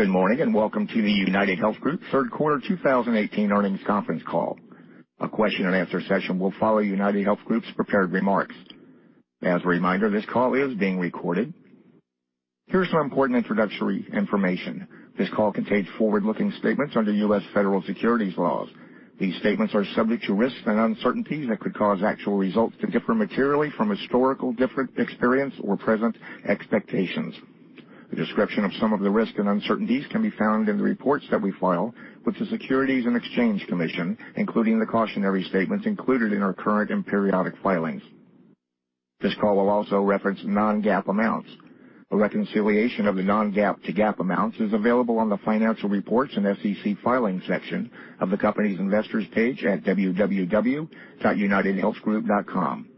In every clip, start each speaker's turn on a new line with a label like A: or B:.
A: Good morning, and welcome to the UnitedHealth Group third quarter 2018 earnings conference call. A question and answer session will follow UnitedHealth Group's prepared remarks. As a reminder, this call is being recorded. Here's some important introductory information. This call contains forward-looking statements under U.S. federal securities laws. These statements are subject to risks and uncertainties that could cause actual results to differ materially from historical different experience or present expectations. A description of some of the risks and uncertainties can be found in the reports that we file with the Securities and Exchange Commission, including the cautionary statements included in our current and periodic filings. This call will also reference non-GAAP amounts. A reconciliation of the non-GAAP to GAAP amounts is available on the financial reports and SEC filing section of the company's investors page at www.unitedhealthgroup.com.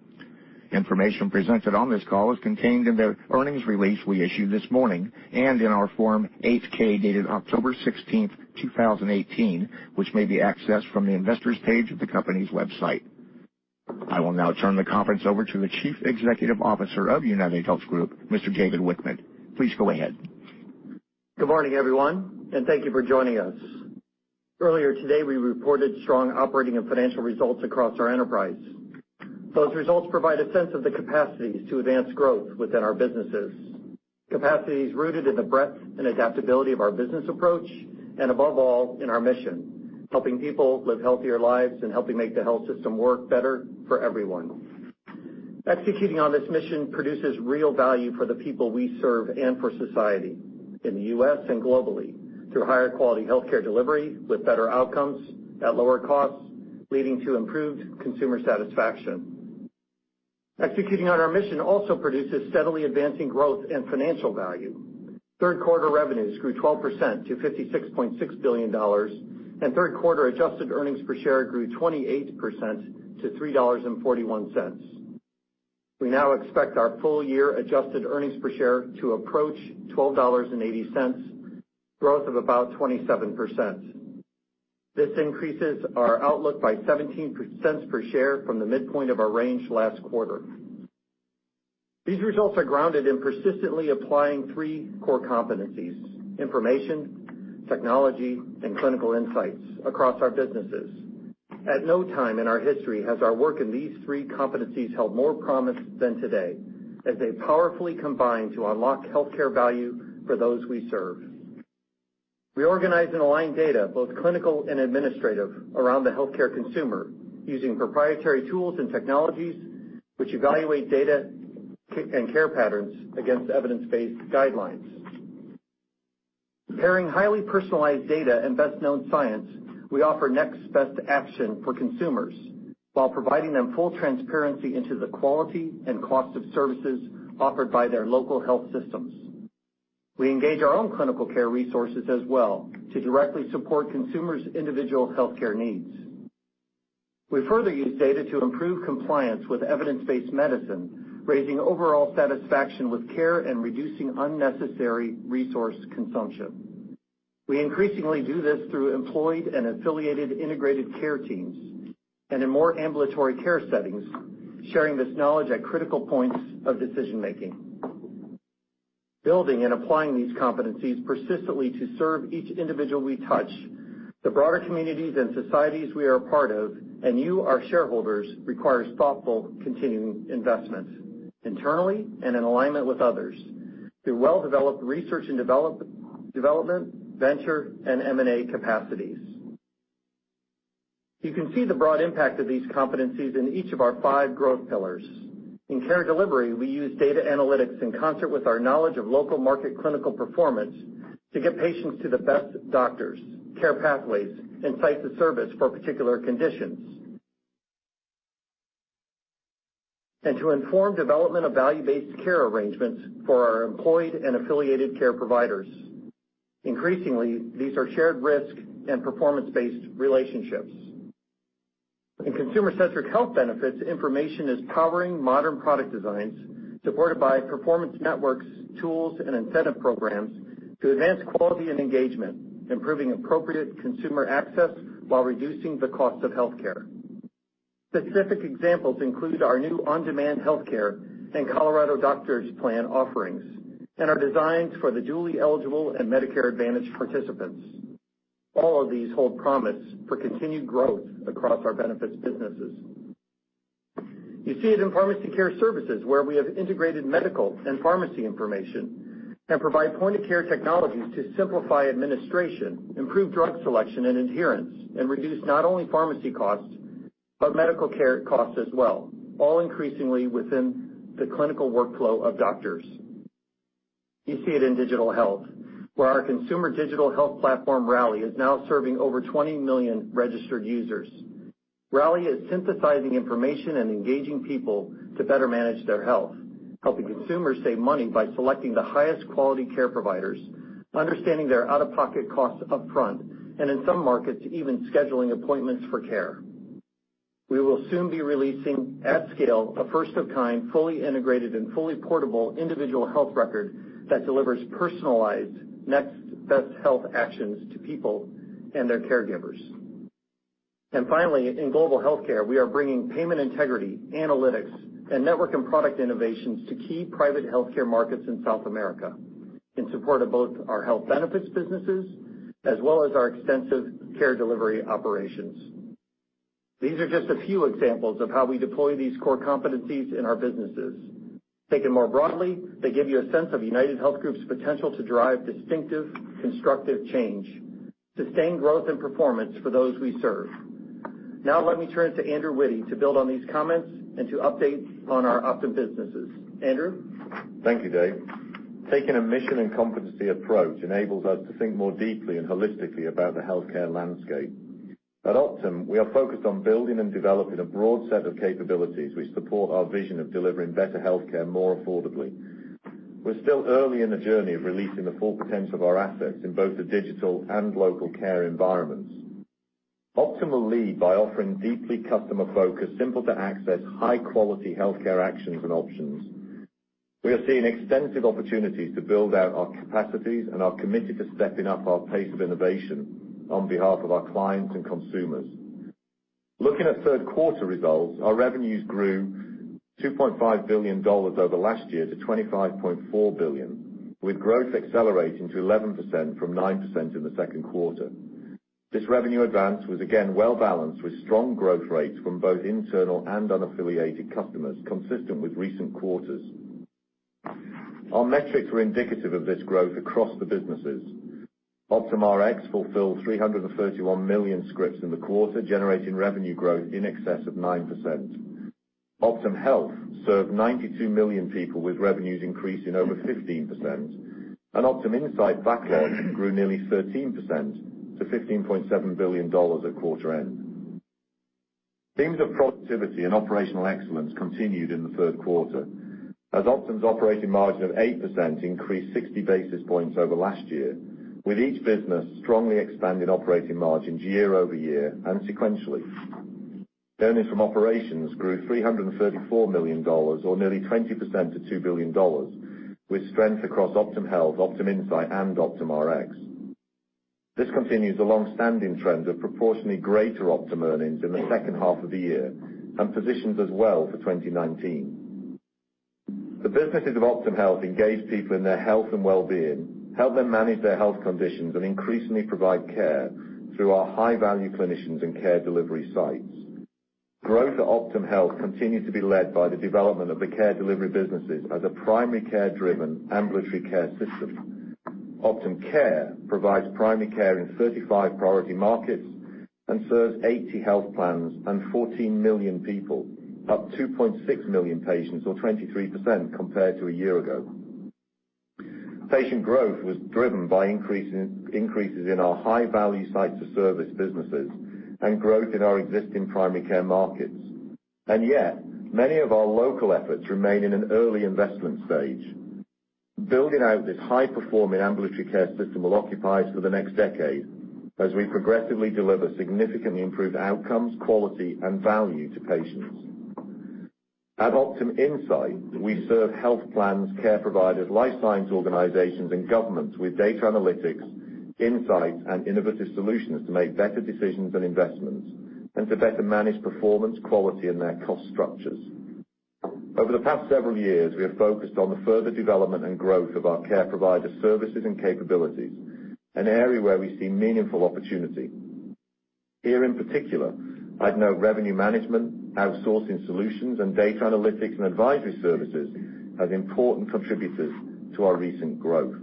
A: Information presented on this call is contained in the earnings release we issued this morning and in our Form 8-K, dated October 16th, 2018, which may be accessed from the investors page of the company's website. I will now turn the conference over to the Chief Executive Officer of UnitedHealth Group, Mr. David Wichmann. Please go ahead.
B: Good morning, everyone, and thank you for joining us. Earlier today, we reported strong operating and financial results across our enterprise. Those results provide a sense of the capacities to advance growth within our businesses, capacities rooted in the breadth and adaptability of our business approach, and above all, in our mission: helping people live healthier lives and helping make the health system work better for everyone. Executing on this mission produces real value for the people we serve and for society, in the U.S. and globally, through higher quality healthcare delivery with better outcomes at lower costs, leading to improved consumer satisfaction. Executing on our mission also produces steadily advancing growth and financial value. Third quarter revenues grew 12% to $56.6 billion, and third quarter adjusted earnings per share grew 28% to $3.41. We now expect our full year adjusted earnings per share to approach $12.80, growth of about 27%. This increases our outlook by $0.17 per share from the midpoint of our range last quarter. These results are grounded in persistently applying three core competencies, information, technology, and clinical insights across our businesses. At no time in our history has our work in these three competencies held more promise than today, as they powerfully combine to unlock healthcare value for those we serve. We organize and align data, both clinical and administrative, around the healthcare consumer, using proprietary tools and technologies which evaluate data and care patterns against evidence-based guidelines. Pairing highly personalized data and best-known science, we offer next best action for consumers while providing them full transparency into the quality and cost of services offered by their local health systems. We engage our own clinical care resources as well to directly support consumers' individual healthcare needs. We further use data to improve compliance with evidence-based medicine, raising overall satisfaction with care and reducing unnecessary resource consumption. We increasingly do this through employed and affiliated integrated care teams and in more ambulatory care settings, sharing this knowledge at critical points of decision-making. Building and applying these competencies persistently to serve each individual we touch, the broader communities and societies we are a part of, and you, our shareholders, requires thoughtful continuing investments, internally and in alignment with others through well-developed research and development, venture, and M&A capacities. You can see the broad impact of these competencies in each of our five growth pillars. In care delivery, we use data analytics in concert with our knowledge of local market clinical performance to get patients to the best doctors, care pathways, and sites of service for particular conditions. To inform development of value-based care arrangements for our employed and affiliated care providers. Increasingly, these are shared risk and performance-based relationships. In consumer-centric health benefits, information is powering modern product designs supported by performance networks, tools, and incentive programs to advance quality and engagement, improving appropriate consumer access while reducing the cost of healthcare. Specific examples include our new on-demand healthcare and Colorado Doctors Plan offerings and are designed for the dually eligible and Medicare Advantage participants. All of these hold promise for continued growth across our benefits businesses. You see it in pharmacy care services, where we have integrated medical and pharmacy information and provide point-of-care technologies to simplify administration, improve drug selection and adherence, reduce not only pharmacy costs, but medical care costs as well, all increasingly within the clinical workflow of doctors. You see it in digital health, where our consumer digital health platform, Rally, is now serving over 20 million registered users. Rally is synthesizing information and engaging people to better manage their health, helping consumers save money by selecting the highest quality care providers, understanding their out-of-pocket costs up front, and in some markets, even scheduling appointments for care. We will soon be releasing at scale a first of kind, fully integrated, and fully portable individual health record that delivers personalized next best health actions to people and their caregivers. Finally, in global healthcare, we are bringing payment integrity, analytics, and network and product innovations to key private healthcare markets in South America, in support of both our health benefits businesses as well as our extensive care delivery operations. These are just a few examples of how we deploy these core competencies in our businesses. Taken more broadly, they give you a sense of UnitedHealth Group's potential to drive distinctive, constructive change, sustained growth, and performance for those we serve. Now let me turn to Andrew Witty to build on these comments and to update on our Optum businesses. Andrew?
C: Thank you, Dave. Taking a mission and competency approach enables us to think more deeply and holistically about the healthcare landscape. At Optum, we are focused on building and developing a broad set of capabilities which support our vision of delivering better healthcare more affordably. We're still early in the journey of releasing the full potential of our assets in both the digital and local care environments. Optum will lead by offering deeply customer-focused, simple-to-access, high-quality healthcare actions and options. We are seeing extensive opportunities to build out our capacities and are committed to stepping up our pace of innovation on behalf of our clients and consumers. Looking at third quarter results, our revenues grew $2.5 billion over last year to $25.4 billion, with growth accelerating to 11% from 9% in the second quarter. This revenue advance was again well-balanced with strong growth rates from both internal and unaffiliated customers, consistent with recent quarters. Our metrics were indicative of this growth across the businesses. Optum Rx fulfilled 331 million scripts in the quarter, generating revenue growth in excess of 9%. Optum Health served 92 million people, with revenues increasing over 15%, and Optum Insight backlog grew nearly 13% to $15.7 billion at quarter end. Themes of productivity and operational excellence continued in the third quarter, as Optum's operating margin of 8% increased 60 basis points over last year, with each business strongly expanding operating margins year-over-year and sequentially. Earnings from operations grew $334 million, or nearly 20%, to $2 billion, with strength across Optum Health, Optum Insight, and Optum Rx. This continues a long-standing trend of proportionally greater Optum earnings in the second half of the year and positions us well for 2019. The businesses of Optum Health engage people in their health and wellbeing, help them manage their health conditions, and increasingly provide care through our high-value clinicians and care delivery sites. Growth at Optum Health continues to be led by the development of the care delivery businesses as a primary care driven ambulatory care system. Optum Care provides primary care in 35 priority markets and serves 80 health plans and 14 million people, up 2.6 million patients or 23% compared to a year ago. Patient growth was driven by increases in our high-value site to service businesses and growth in our existing primary care markets. Yet many of our local efforts remain in an early investment stage. Building out this high performing ambulatory care system will occupy us for the next decade as we progressively deliver significantly improved outcomes, quality, and value to patients. At Optum Insight, we serve health plans, care providers, life science organizations, and governments with data analytics, insights, and innovative solutions to make better decisions and investments, and to better manage performance, quality, and their cost structures. Over the past several years, we have focused on the further development and growth of our care provider services and capabilities, an area where we see meaningful opportunity. Here, in particular, I'd note revenue management, outsourcing solutions, and data analytics and advisory services as important contributors to our recent growth.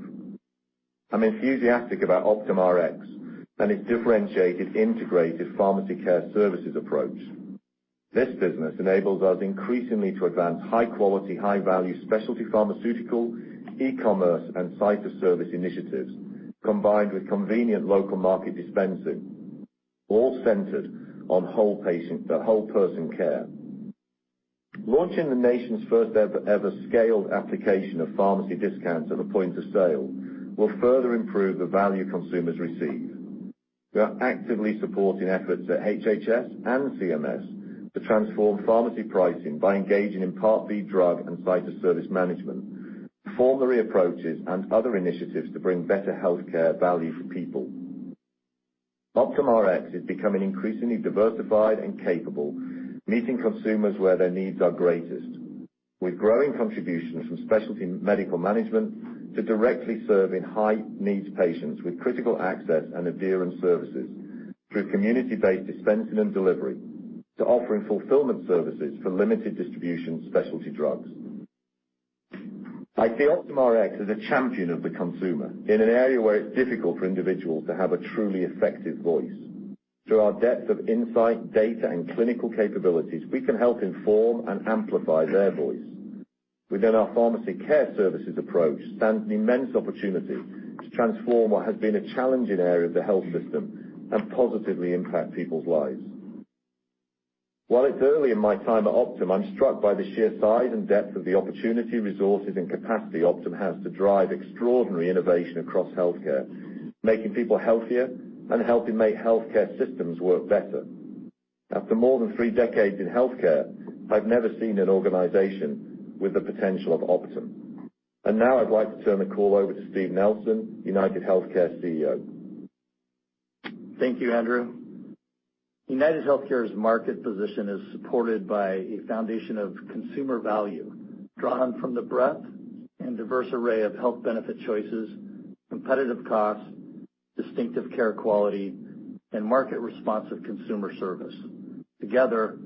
C: I'm enthusiastic about Optum Rx and its differentiated integrated pharmacy care services approach. This business enables us increasingly to advance high-quality, high-value specialty pharmaceutical, e-commerce, and site-to-service initiatives, combined with convenient local market dispensing, all centered on whole patient, the whole person care. Launching the nation's first ever scaled application of pharmacy discounts at the point of sale will further improve the value consumers receive. We are actively supporting efforts at HHS and CMS to transform pharmacy pricing by engaging in Part D drug and site-to-service management, formulary approaches, and other initiatives to bring better healthcare value for people. Optum Rx is becoming increasingly diversified and capable, meeting consumers where their needs are greatest. With growing contributions from specialty medical management to directly serving high-needs patients with critical access and adherence services through community-based dispensing and delivery to offering fulfillment services for limited distribution specialty drugs. I see Optum Rx as a champion of the consumer in an area where it's difficult for individuals to have a truly effective voice. Through our depth of insight, data, and clinical capabilities, we can help inform and amplify their voice. Within our pharmacy care services approach stands an immense opportunity to transform what has been a challenging area of the health system and positively impact people's lives. While it's early in my time at Optum, I'm struck by the sheer size and depth of the opportunity, resources, and capacity Optum has to drive extraordinary innovation across healthcare, making people healthier and helping make healthcare systems work better. After more than three decades in healthcare, I've never seen an organization with the potential of Optum. Now I'd like to turn the call over to Steve Nelson, UnitedHealthcare CEO.
D: Thank you, Andrew. UnitedHealthcare's market position is supported by a foundation of consumer value drawn from the breadth and diverse array of health benefit choices, competitive costs, distinctive care quality, and market-responsive consumer service. Together,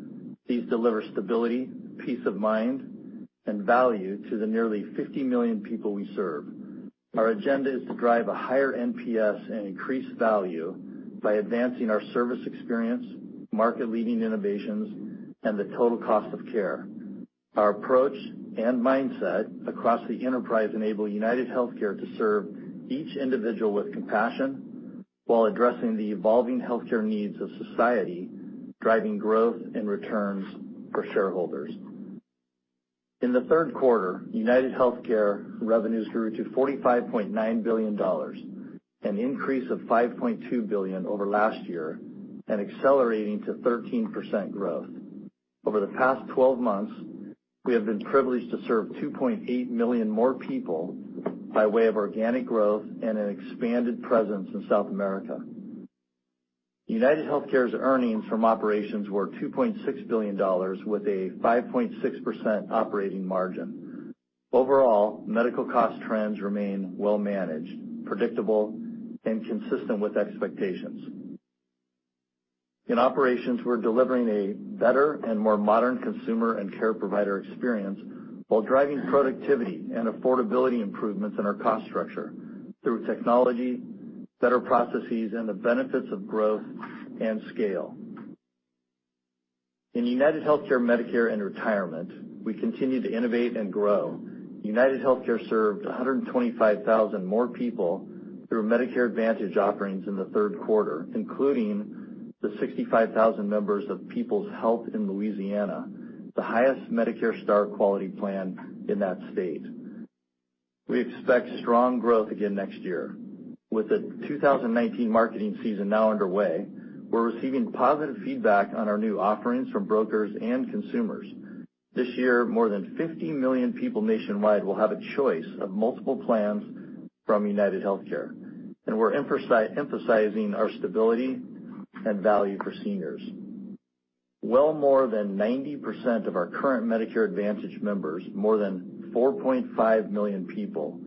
D: these deliver stability, peace of mind, and value to the nearly 50 million people we serve. Our agenda is to drive a higher NPS and increase value by advancing our service experience, market-leading innovations, and the total cost of care. Our approach and mindset across the enterprise enable UnitedHealthcare to serve each individual with compassion while addressing the evolving healthcare needs of society, driving growth and returns for shareholders. In the third quarter, UnitedHealthcare revenues grew to $45.9 billion, an increase of $5.2 billion over last year and accelerating to 13% growth. Over the past 12 months, we have been privileged to serve 2.8 million more people by way of organic growth and an expanded presence in South America. UnitedHealthcare's earnings from operations were $2.6 billion with a 5.6% operating margin. Overall, medical cost trends remain well managed, predictable, and consistent with expectations. In operations, we're delivering a better and more modern consumer and care provider experience while driving productivity and affordability improvements in our cost structure through technology, better processes, and the benefits of growth and scale. In UnitedHealthcare Medicare & Retirement, we continue to innovate and grow. UnitedHealthcare served 125,000 more people through Medicare Advantage offerings in the third quarter, including the 65,000 members of Peoples Health in Louisiana, the highest Medicare Star Quality Plan in that state. We expect strong growth again next year. With the 2019 marketing season now underway, we're receiving positive feedback on our new offerings from brokers and consumers. This year, more than 50 million people nationwide will have a choice of multiple plans from UnitedHealthcare, and we're emphasizing our stability and value for seniors. Well more than 90% of our current Medicare Advantage members, more than 4.5 million people,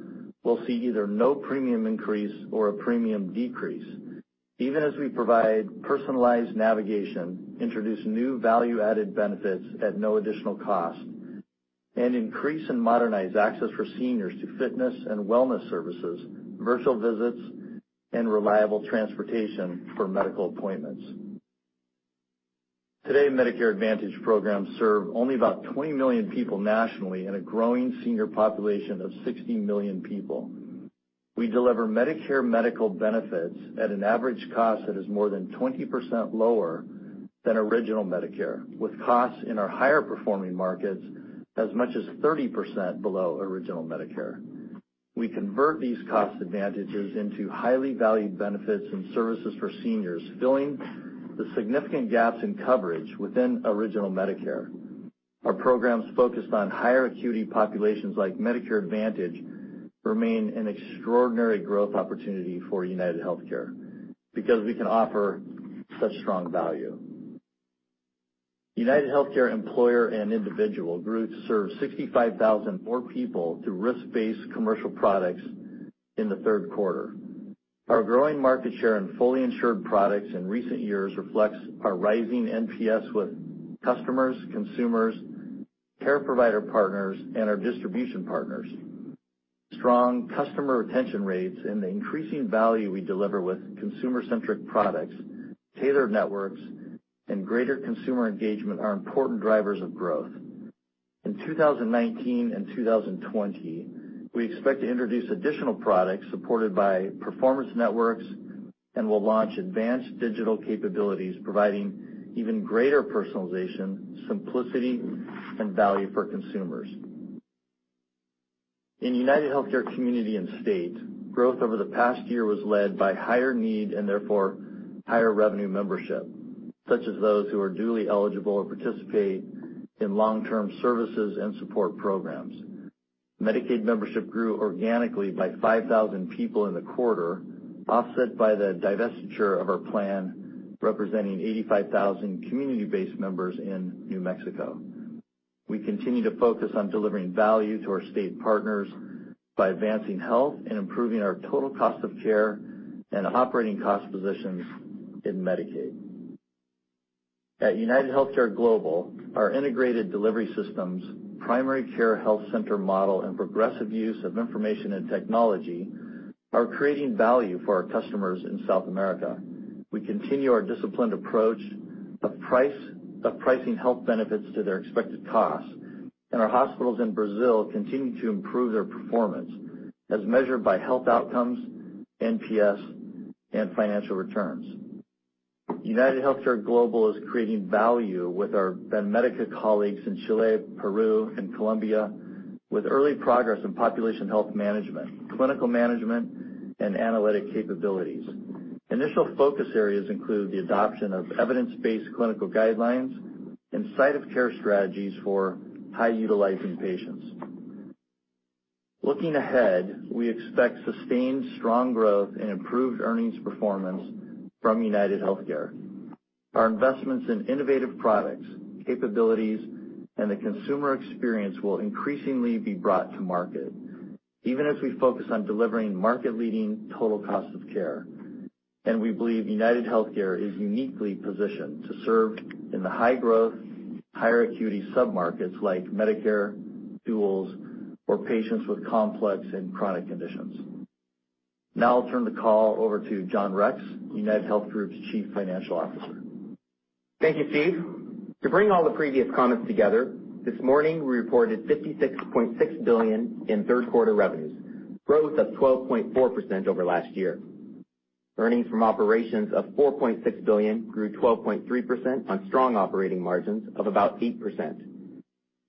D: will see either no premium increase or a premium decrease, even as we provide personalized navigation, introduce new value-added benefits at no additional cost, and increase and modernize access for seniors to fitness and wellness services, virtual visits, and reliable transportation for medical appointments. Today, Medicare Advantage programs serve only about 20 million people nationally in a growing senior population of 60 million people. We deliver Medicare medical benefits at an average cost that is more than 20% lower than original Medicare, with costs in our higher-performing markets as much as 30% below original Medicare. We convert these cost advantages into highly valued benefits and services for seniors, filling the significant gaps in coverage within original Medicare. Our programs focused on higher acuity populations like Medicare Advantage remain an extraordinary growth opportunity for UnitedHealthcare because we can offer such strong value. UnitedHealthcare employer and individual groups serve 65,000 more people through risk-based commercial products in the third quarter. Our growing market share in fully insured products in recent years reflects our rising NPS with customers, consumers, care provider partners, and our distribution partners. Strong customer retention rates and the increasing value we deliver with consumer-centric products, tailored networks, and greater consumer engagement are important drivers of growth. In 2019 and 2020, we expect to introduce additional products supported by performance networks and will launch advanced digital capabilities, providing even greater personalization, simplicity, and value for consumers. In UnitedHealthcare Community & State, growth over the past year was led by higher need and therefore higher revenue membership, such as those who are duly eligible or participate in long-term services and support programs. Medicaid membership grew organically by 5,000 people in the quarter, offset by the divestiture of our plan representing 85,000 community-based members in New Mexico. We continue to focus on delivering value to our state partners by advancing health and improving our total cost of care and operating cost positions in Medicaid. At UnitedHealthcare Global, our integrated delivery systems, primary care health center model, and progressive use of information and technology are creating value for our customers in South America. We continue our disciplined approach of pricing health benefits to their expected cost, and our hospitals in Brazil continue to improve their performance as measured by health outcomes, NPS, and financial returns. UnitedHealthcare Global is creating value with our Banmédica colleagues in Chile, Peru, and Colombia with early progress in population health management, clinical management, and analytic capabilities. Initial focus areas include the adoption of evidence-based clinical guidelines and site of care strategies for high-utilizing patients. Looking ahead, we expect sustained strong growth and improved earnings performance from UnitedHealthcare. Our investments in innovative products, capabilities, and the consumer experience will increasingly be brought to market, even as we focus on delivering market-leading total cost of care. We believe UnitedHealthcare is uniquely positioned to serve in the high-growth, higher acuity sub-markets like Medicare, duals, or patients with complex and chronic conditions. Now I'll turn the call over to John Rex, UnitedHealth Group's Chief Financial Officer.
E: Thank you, Steve. To bring all the previous comments together, this morning, we reported $56.6 billion in third quarter revenues, growth of 12.4% over last year. Earnings from operations of $4.6 billion grew 12.3% on strong operating margins of about 8%.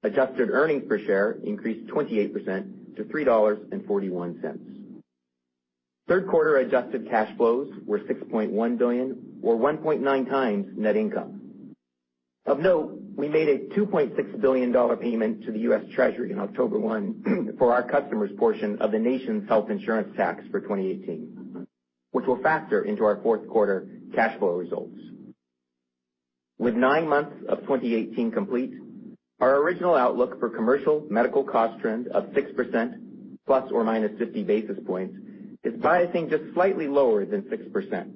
E: Adjusted earnings per share increased 28% to $3.41. Third quarter adjusted cash flows were $6.1 billion, or 1.9 times net income. Of note, we made a $2.6 billion payment to the U.S. Treasury on October 1 for our customers' portion of the nation's health insurance tax for 2018, which will factor into our fourth quarter cash flow results. With nine months of 2018 complete, our original outlook for commercial medical cost trends of 6%, ±50 basis points, is biasing just slightly lower than 6%.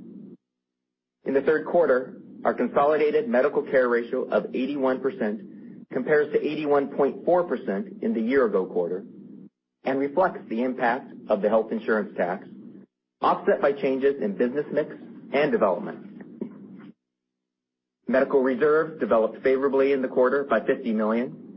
E: In the third quarter, our consolidated medical care ratio of 81% compares to 81.4% in the year-ago quarter and reflects the impact of the health insurance tax, offset by changes in business mix and development. Medical reserves developed favorably in the quarter by $50 million.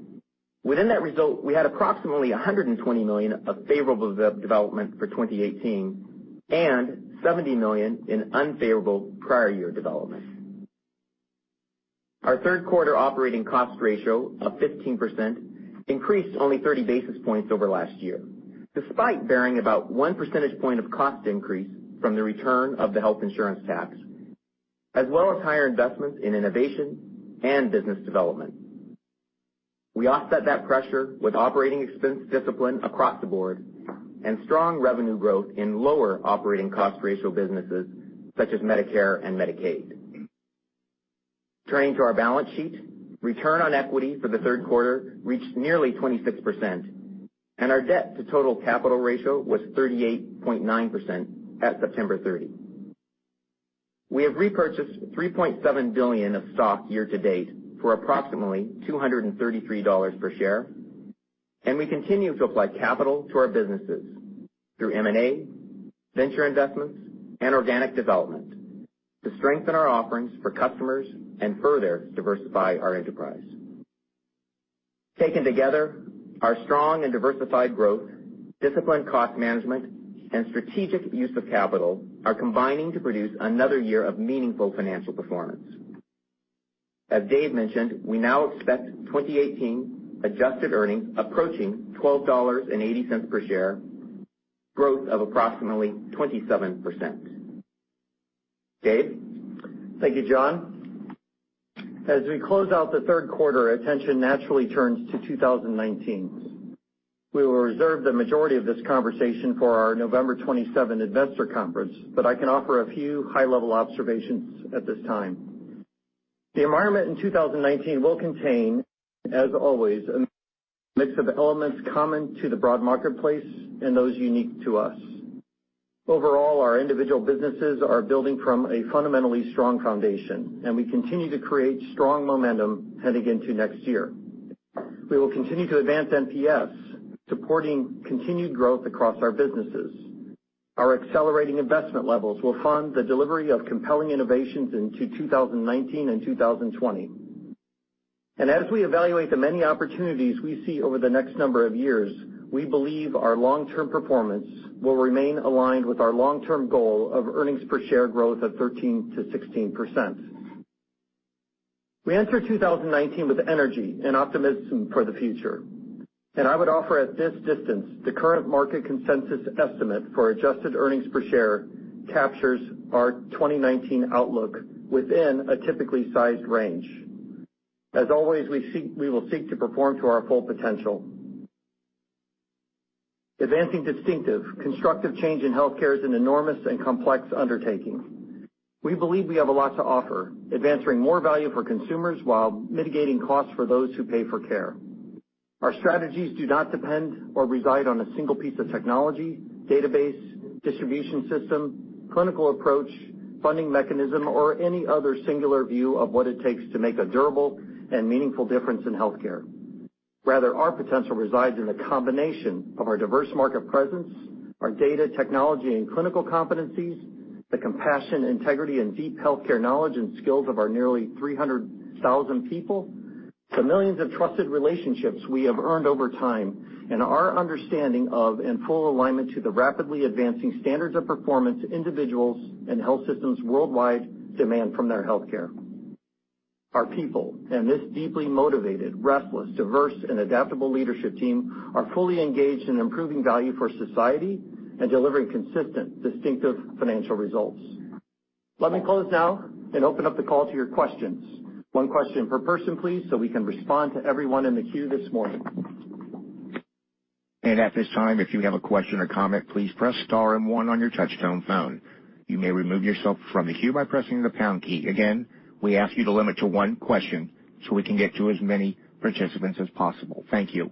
E: Within that result, we had approximately $120 million of favorable development for 2018 and $70 million in unfavorable prior year developments. Our third quarter operating cost ratio of 15% increased only 30 basis points over last year, despite bearing about one percentage point of cost increase from the return of the health insurance tax, as well as higher investments in innovation and business development. We offset that pressure with operating expense discipline across the board and strong revenue growth in lower operating cost ratio businesses such as Medicare and Medicaid. Turning to our balance sheet, return on equity for the third quarter reached nearly 26%, and our debt-to-total capital ratio was 38.9% at September 30. We have repurchased $3.7 billion of stock year to date for approximately $233 per share, and we continue to apply capital to our businesses through M&A, venture investments, and organic development to strengthen our offerings for customers and further diversify our enterprise. Taken together, our strong and diversified growth, disciplined cost management, and strategic use of capital are combining to produce another year of meaningful financial performance. As Dave mentioned, we now expect 2018 adjusted earnings approaching $12.80 per share, growth of approximately 27%. Dave?
B: Thank you, John. As we close out the third quarter, attention naturally turns to 2019. We will reserve the majority of this conversation for our November 27 investor conference, but I can offer a few high-level observations at this time. The environment in 2019 will contain, as always, a mix of elements common to the broad marketplace and those unique to us. Overall, our individual businesses are building from a fundamentally strong foundation, and we continue to create strong momentum heading into next year. We will continue to advance NPS, supporting continued growth across our businesses. Our accelerating investment levels will fund the delivery of compelling innovations into 2019 and 2020. As we evaluate the many opportunities we see over the next number of years, we believe our long-term performance will remain aligned with our long-term goal of earnings per share growth of 13%-16%. We enter 2019 with energy and optimism for the future. I would offer at this distance the current market consensus estimate for adjusted earnings per share captures our 2019 outlook within a typically sized range. As always, we will seek to perform to our full potential. Advancing distinctive, constructive change in healthcare is an enormous and complex undertaking. We believe we have a lot to offer, advancing more value for consumers while mitigating costs for those who pay for care. Our strategies do not depend or reside on a single piece of technology, database, distribution system, clinical approach, funding mechanism, or any other singular view of what it takes to make a durable and meaningful difference in healthcare. Rather, our potential resides in the combination of our diverse market presence, our data technology and clinical competencies, the compassion, integrity, and deep healthcare knowledge and skills of our nearly 300,000 people, the millions of trusted relationships we have earned over time, and our understanding of and full alignment to the rapidly advancing standards of performance individuals and health systems worldwide demand from their healthcare. Our people and this deeply motivated, restless, diverse, and adaptable leadership team are fully engaged in improving value for society and delivering consistent, distinctive financial results. Let me close now and open up the call to your questions. One question per person, please, so we can respond to everyone in the queue this morning.
A: At this time, if you have a question or comment, please press star 1 on your touch-tone phone. You may remove yourself from the queue by pressing the pound key. Again, we ask you to limit to 1 question so we can get to as many participants as possible. Thank you.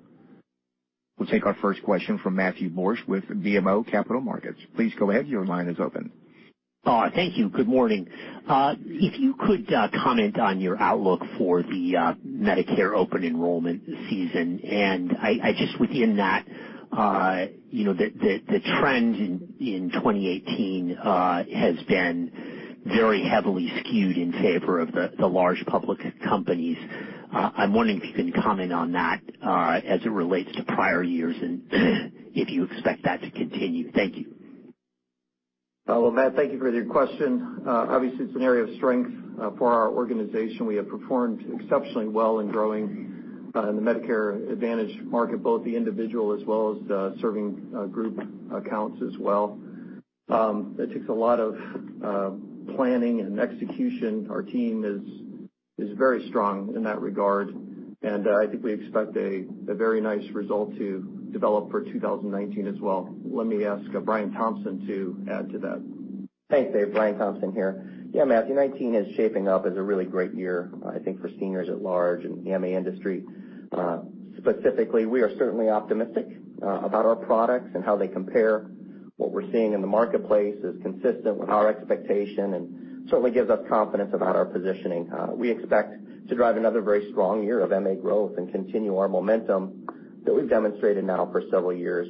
A: We will take our first question from Matthew Borsch with BMO Capital Markets. Please go ahead. Your line is open.
F: Thank you. Good morning. If you could comment on your outlook for the Medicare open enrollment season, and just within that, the trend in 2018 has been very heavily skewed in favor of the large public companies. I am wondering if you can comment on that as it relates to prior years, and if you expect that to continue. Thank you.
B: Matt, thank you for your question. Obviously, it is an area of strength for our organization. We have performed exceptionally well in growing the Medicare Advantage market, both the individual as well as serving group accounts as well. It takes a lot of planning and execution. Our team is very strong in that regard, and I think we expect a very nice result to develop for 2019 as well. Let me ask Brian Thompson to add to that.
G: Thanks, Dave. Brian Thompson here. Matthew, 2019 is shaping up as a really great year, I think, for seniors at large and the MA industry. Specifically, we are certainly optimistic about our products and how they compare. What we are seeing in the marketplace is consistent with our expectation and certainly gives us confidence about our positioning. We expect to drive another very strong year of MA growth and continue our momentum that we have demonstrated now for several years.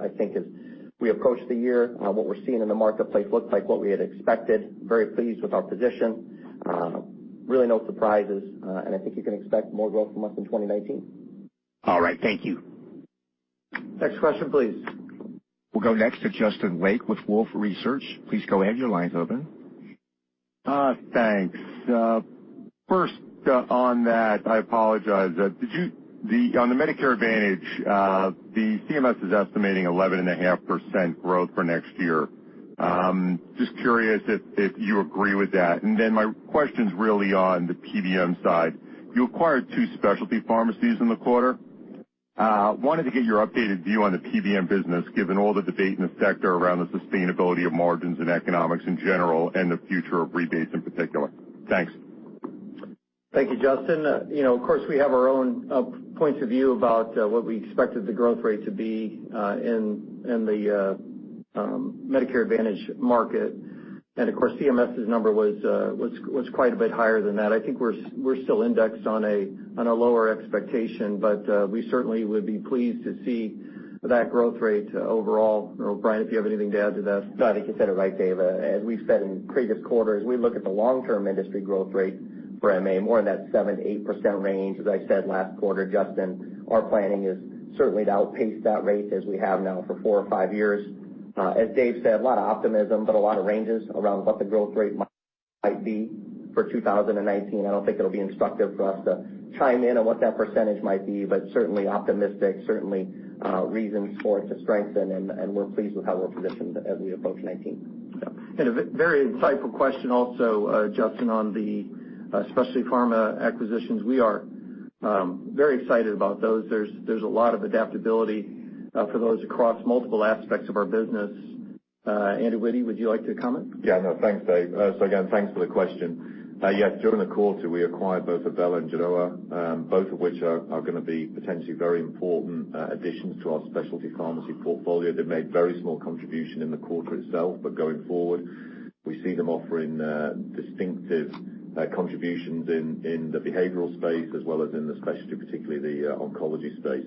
G: I think as we approach the year, what we are seeing in the marketplace looks like what we had expected. Very pleased with our position. Really no surprises. I think you can expect more growth from us in 2019.
F: All right. Thank you.
B: Next question, please.
A: We'll go next to Justin Lake with Wolfe Research. Please go ahead. Your line's open.
H: Thanks. First, on that, I apologize. On the Medicare Advantage, the CMS is estimating 11.5% growth for next year. Just curious if you agree with that. My question's really on the PBM side. You acquired two specialty pharmacies in the quarter. Wanted to get your updated view on the PBM business, given all the debate in the sector around the sustainability of margins and economics in general, and the future of rebates in particular. Thanks.
B: Thank you, Justin. Of course, we have our own points of view about what we expected the growth rate to be in the Medicare Advantage market. Of course, CMS's number was quite a bit higher than that. I think we're still indexed on a lower expectation, but we certainly would be pleased to see that growth rate overall. Brian, if you have anything to add to that.
G: No, I think you said it right, Dave. As we've said in previous quarters, we look at the long-term industry growth rate for MA more in that 7%-8% range. As I said last quarter, Justin, our planning is certainly to outpace that rate as we have now for four or five years. As Dave said, a lot of optimism, but a lot of ranges around what the growth rate might be for 2019. I don't think it'll be instructive for us to chime in on what that percentage might be, but certainly optimistic, certainly reasons for it to strengthen, and we're pleased with how we're positioned as we approach 2019.
B: A very insightful question also, Justin, on the specialty pharma acquisitions. We are very excited about those. There's a lot of adaptability for those across multiple aspects of our business. Andrew Witty, would you like to comment?
C: Yeah, no, thanks, Dave. Again, thanks for the question. Yes, during the quarter, we acquired both Avella and Genoa, both of which are going to be potentially very important additions to our specialty pharmacy portfolio. They made very small contribution in the quarter itself, but going forward, we see them offering distinctive contributions in the behavioral space as well as in the specialty, particularly the oncology space.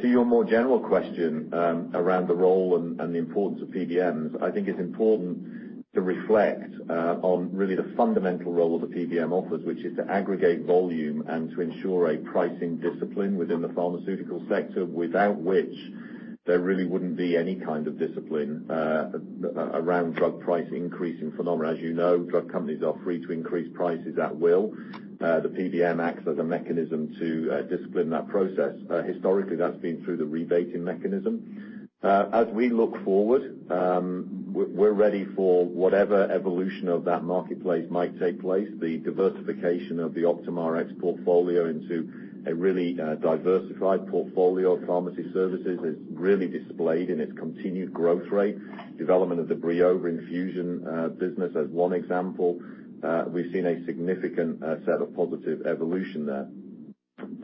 C: To your more general question around the role and the importance of PBMs, I think it's important to reflect on really the fundamental role that PBM offers, which is to aggregate volume and to ensure a pricing discipline within the pharmaceutical sector, without which there really wouldn't be any kind of discipline around drug price increasing phenomena. As you know, drug companies are free to increase prices at will. The PBM acts as a mechanism to discipline that process. Historically, that's been through the rebating mechanism. As we look forward, we're ready for whatever evolution of that marketplace might take place. The diversification of the Optum Rx portfolio into a really diversified portfolio of pharmacy services is really displayed in its continued growth rate. Development of the BriovaRx infusion business as one example. We've seen a significant set of positive evolution there.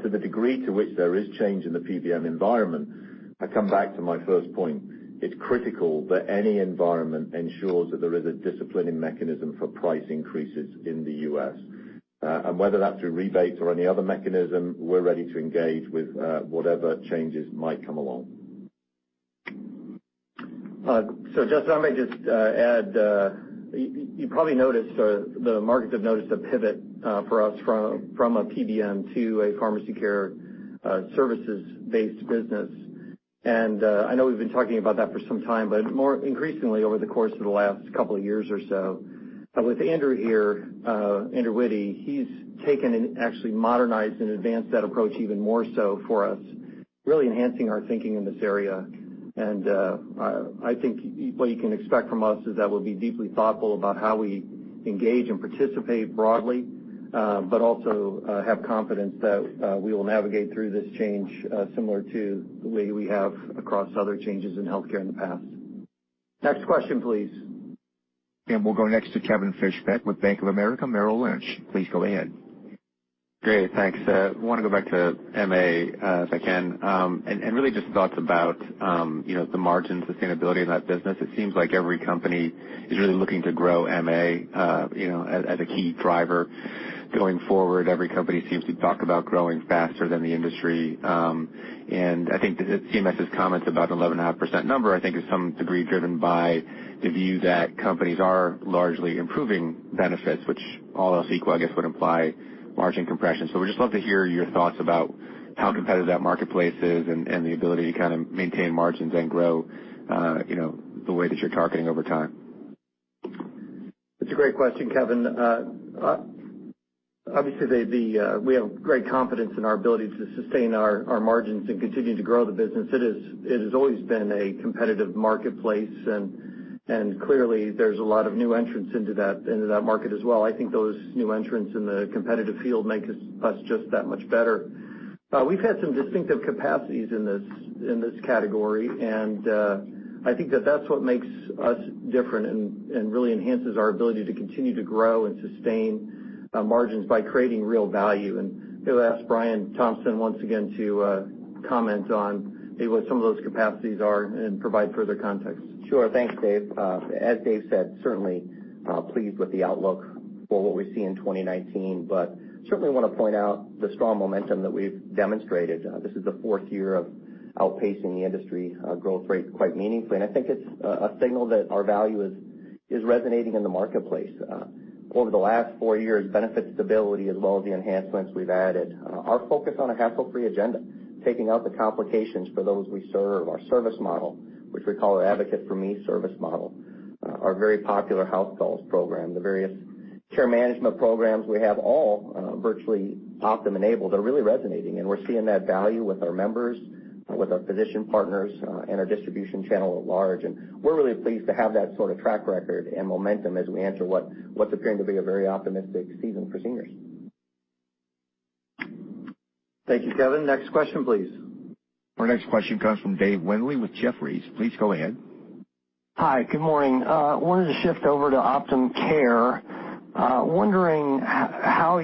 C: To the degree to which there is change in the PBM environment, I come back to my first point. It's critical that any environment ensures that there is a disciplining mechanism for price increases in the U.S. Whether that's through rebates or any other mechanism, we're ready to engage with whatever changes might come along.
B: Justin, I may just add, you probably noticed, the markets have noticed a pivot for us from a PBM to a pharmacy care services-based business. I know we've been talking about that for some time, but more increasingly over the course of the last couple of years or so. With Andrew here, Andrew Witty, he's taken and actually modernized and advanced that approach even more so for us. Really enhancing our thinking in this area. I think what you can expect from us is that we'll be deeply thoughtful about how we engage and participate broadly, but also have confidence that we will navigate through this change similar to the way we have across other changes in healthcare in the past. Next question, please.
A: We'll go next to Kevin Fischbeck with Bank of America Merrill Lynch. Please go ahead.
I: Great. Thanks. I want to go back to MA, if I can. Really just thoughts about the margin sustainability in that business. It seems like every company is really looking to grow MA as a key driver going forward. Every company seems to talk about growing faster than the industry. I think that CMS's comments about the 11.5% number, I think is some degree driven by the view that companies are largely improving benefits, which all else equal, I guess, would imply margin compression. We'd just love to hear your thoughts about how competitive that marketplace is and the ability to kind of maintain margins and grow the way that you're targeting over time.
B: It's a great question, Kevin. Obviously, we have great confidence in our ability to sustain our margins and continue to grow the business. It has always been a competitive marketplace, and clearly, there's a lot of new entrants into that market as well. I think those new entrants in the competitive field make us just that much better. We've had some distinctive capacities in this category, and I think that that's what makes us different and really enhances our ability to continue to grow and sustain our margins by creating real value. I'll ask Brian Thompson once again to comment on maybe what some of those capacities are and provide further context.
G: Sure. Thanks, Dave. As Dave said, certainly pleased with the outlook for what we see in 2019, but certainly want to point out the strong momentum that we've demonstrated. This is the fourth year of outpacing the industry growth rate quite meaningfully. I think it's a signal that our value is resonating in the marketplace. Over the last four years, benefit stability as well as the enhancements we've added. Our focus on a hassle-free agenda, taking out the complications for those we serve. Our service model, which we call our Advocate4Me service model, our very popular HouseCalls program, the various care management programs we have, all virtually Optum enabled, are really resonating, and we're seeing that value with our members, with our physician partners, and our distribution channel at large. We're really pleased to have that sort of track record and momentum as we enter what's appearing to be a very optimistic season for seniors.
B: Thank you, Kevin. Next question, please.
A: Our next question comes from David Windley with Jefferies. Please go ahead.
J: Hi. Good morning. I wanted to shift over to Optum Care. Wondering how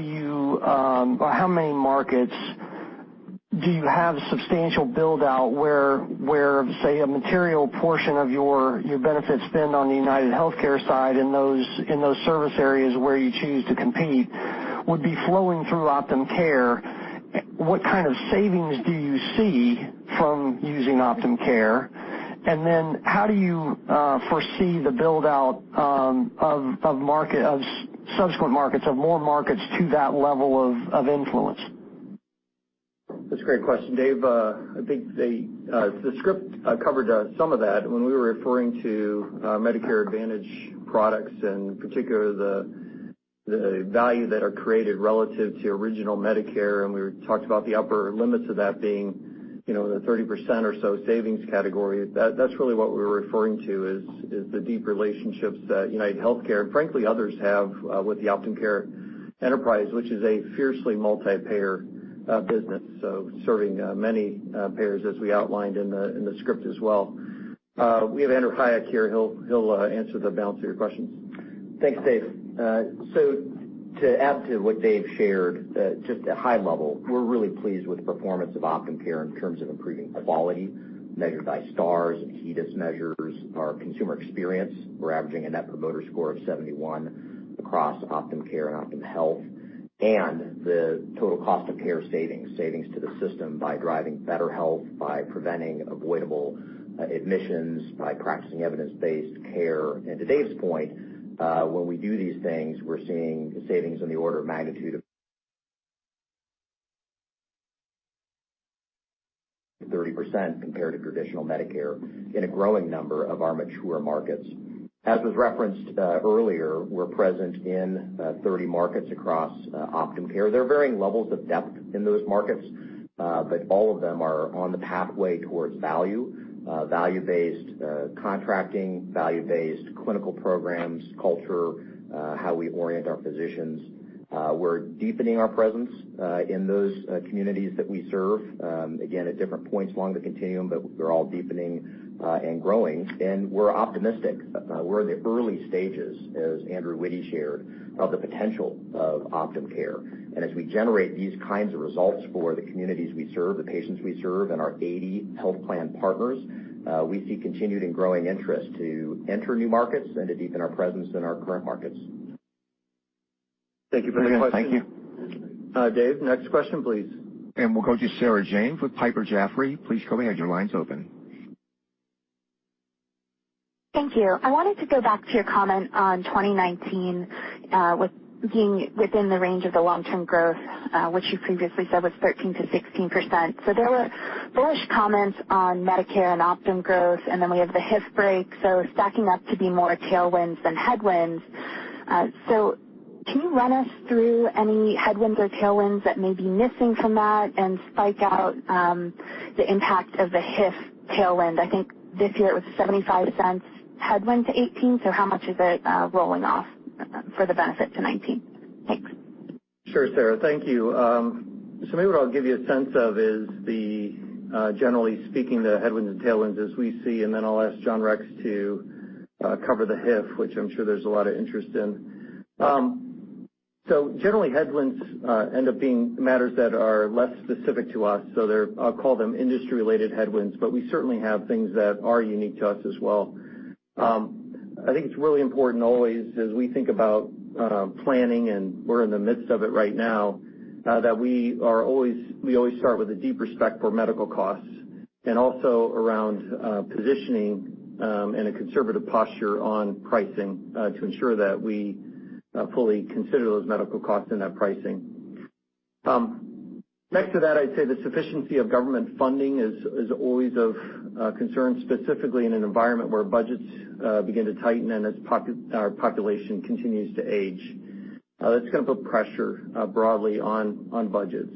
J: many markets do you have substantial build-out where, say, a material portion of your benefits spend on the UnitedHealthcare side in those service areas where you choose to compete would be flowing through Optum Care? What kind of savings do you see from using Optum Care? Then how do you foresee the build-out of subsequent markets, of more markets to that level of influence?
B: That's a great question, Dave. I think the script covered some of that when we were referring to Medicare Advantage products, and particularly the value that are created relative to original Medicare, and we talked about the upper limits of that being the 30% or so savings category. That's really what we were referring to is the deep relationships that UnitedHealthcare, and frankly, others have with the Optum Care enterprise, which is a fiercely multi-payer business, so serving many payers as we outlined in the script as well. We have Andrew Hayek here. He'll answer the balance of your questions.
K: Thanks, Dave. To add to what Dave shared, just at high level, we're really pleased with the performance of Optum Care in terms of improving quality measured by stars and HEDIS measures. Our consumer experience, we're averaging a net promoter score of 71 across Optum Care and Optum Health. The total cost of care savings to the system by driving better health, by preventing avoidable admissions, by practicing evidence-based care. To Dave's point, when we do these things, we're seeing savings in the order of magnitude of 30% compared to traditional Medicare in a growing number of our maturer markets. As was referenced earlier, we're present in 30 markets across Optum Care. There are varying levels of depth in those markets, but all of them are on the pathway towards value-based contracting, value-based clinical programs, culture, how we orient our physicians. We're deepening our presence in those communities that we serve, again, at different points along the continuum, but they're all deepening and growing, and we're optimistic. We're in the early stages, as Andrew Witty shared, of the potential of Optum Care. As we generate these kinds of results for the communities we serve, the patients we serve, and our 80 health plan partners, we see continued and growing interest to enter new markets and to deepen our presence in our current markets.
J: Thank you for the question.
B: Dave, next question, please.
A: We'll go to Sarah James with Piper Jaffray. Please go ahead. Your line's open.
L: Thank you. There were bullish comments on Medicare and Optum growth, and then we have the HIT break, so stacking up to be more tailwinds than headwinds. Can you run us through any headwinds or tailwinds that may be missing from that and spike out the impact of the HIF tailwind? I think this year it was $0.75 headwind to 2018, so how much is it rolling off for the benefit to 2019? Thanks.
B: Sure, Sarah, thank you. Maybe what I'll give you a sense of is the, generally speaking, the headwinds and tailwinds as we see, and then I'll ask John Rex to cover the HIF, which I'm sure there's a lot of interest in. Generally, headwinds end up being matters that are less specific to us, so I'll call them industry-related headwinds. We certainly have things that are unique to us as well. I think it's really important always as we think about planning, and we're in the midst of it right now, that we always start with a deep respect for medical costs and also around positioning and a conservative posture on pricing to ensure that we fully consider those medical costs in that pricing. Next to that, I'd say the sufficiency of government funding is always of concern, specifically in an environment where budgets begin to tighten and as our population continues to age. That's going to put pressure broadly on budgets.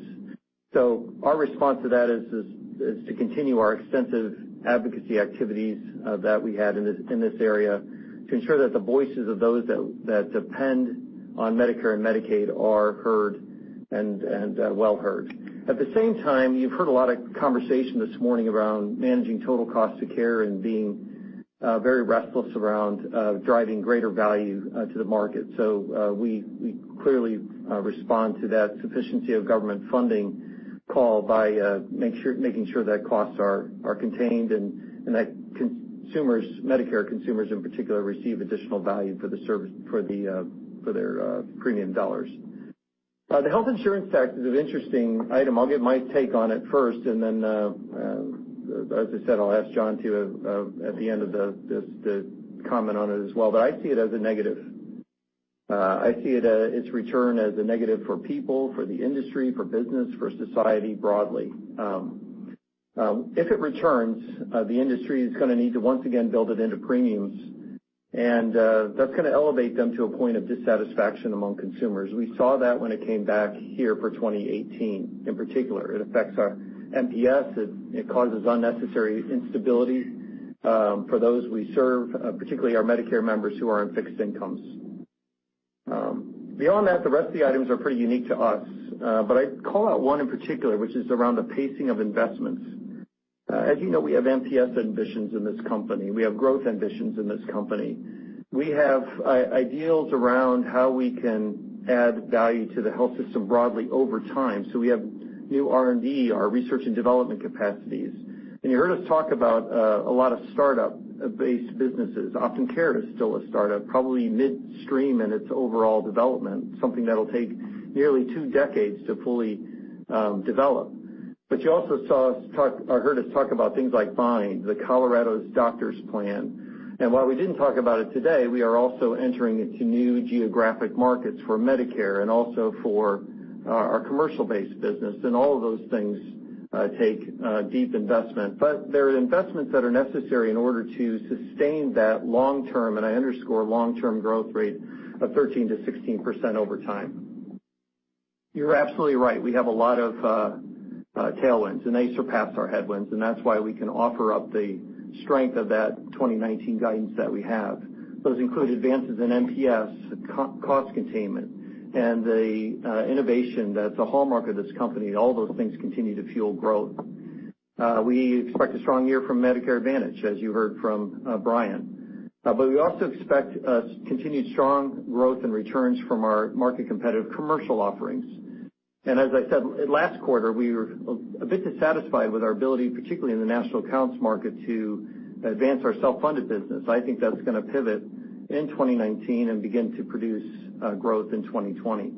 B: Our response to that is to continue our extensive advocacy activities that we had in this area to ensure that the voices of those that depend on Medicare and Medicaid are heard and well heard. At the same time, you've heard a lot of conversation this morning around managing total cost of care and being very restless around driving greater value to the market. We clearly respond to that sufficiency of government funding call by making sure that costs are contained and that consumers, Medicare consumers in particular, receive additional value for their premium dollars. The Health Insurance Tax is an interesting item. I'll give my take on it first, and then, as I said, I'll ask John to, at the end of this, to comment on it as well. I see it as a negative. I see its return as a negative for people, for the industry, for business, for society broadly. If it returns, the industry is going to need to once again build it into premiums, and that's going to elevate them to a point of dissatisfaction among consumers. We saw that when it came back here for 2018. In particular, it affects our NPS. It causes unnecessary instability for those we serve, particularly our Medicare members who are on fixed incomes. Beyond that, the rest of the items are pretty unique to us. I'd call out one in particular, which is around the pacing of investments. As you know, we have NPS ambitions in this company. We have growth ambitions in this company. We have ideals around how we can add value to the health system broadly over time. We have new R&D, our research and development capacities. You heard us talk about a lot of startup-based businesses. Optum Care is still a startup, probably mid-stream in its overall development, something that'll take nearly two decades to fully develop. You also heard us talk about things like Bind, the Colorado Doctors Plan. While we didn't talk about it today, we are also entering into new geographic markets for Medicare and also for our commercial-based business. All of those things take deep investment. They're investments that are necessary in order to sustain that long term, and I underscore long term, growth rate of 13%-16% over time. You're absolutely right. We have a lot of tailwinds, and they surpass our headwinds, and that's why we can offer up the strength of that 2019 guidance that we have. Those include advances in NPS, cost containment, and the innovation that's a hallmark of this company. All those things continue to fuel growth. We expect a strong year from Medicare Advantage, as you heard from Brian. We also expect continued strong growth and returns from our market-competitive commercial offerings. As I said last quarter, we were a bit dissatisfied with our ability, particularly in the national accounts market, to advance our self-funded business. I think that's going to pivot in 2019 and begin to produce growth in 2020.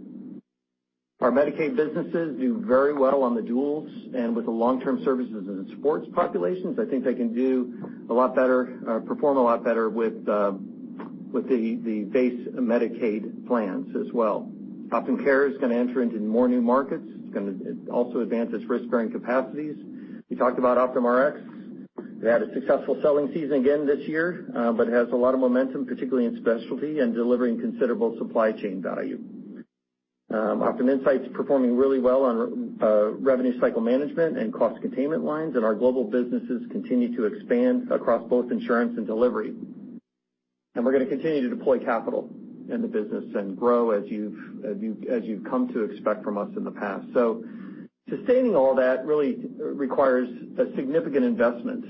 B: Our Medicaid businesses do very well on the duals and with the long-term services and the sports populations. I think they can perform a lot better with the base Medicaid plans as well. Optum Care is going to enter into more new markets. It's going to also advance its risk-bearing capacities. We talked about OptumRx. They had a successful selling season again this year but has a lot of momentum, particularly in specialty and delivering considerable supply chain value. OptumInsight's performing really well on revenue cycle management and cost containment lines, and our global businesses continue to expand across both insurance and delivery. We're going to continue to deploy capital in the business and grow, as you've come to expect from us in the past. Sustaining all that really requires a significant investment.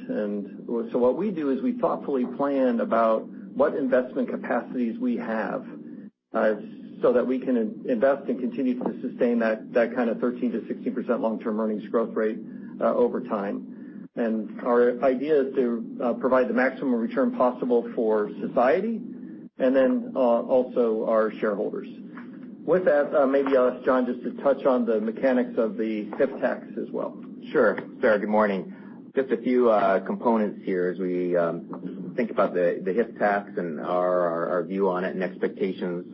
B: What we do is we thoughtfully plan about what investment capacities we have so that we can invest and continue to sustain that kind of 13%-16% long-term earnings growth rate over time. Our idea is to provide the maximum return possible for society and then also our shareholders. With that, maybe I'll ask John just to touch on the mechanics of the HIF tax as well.
E: Sure. Sarah, good morning. Just a few components here as we think about the HIF tax and our view on it and expectations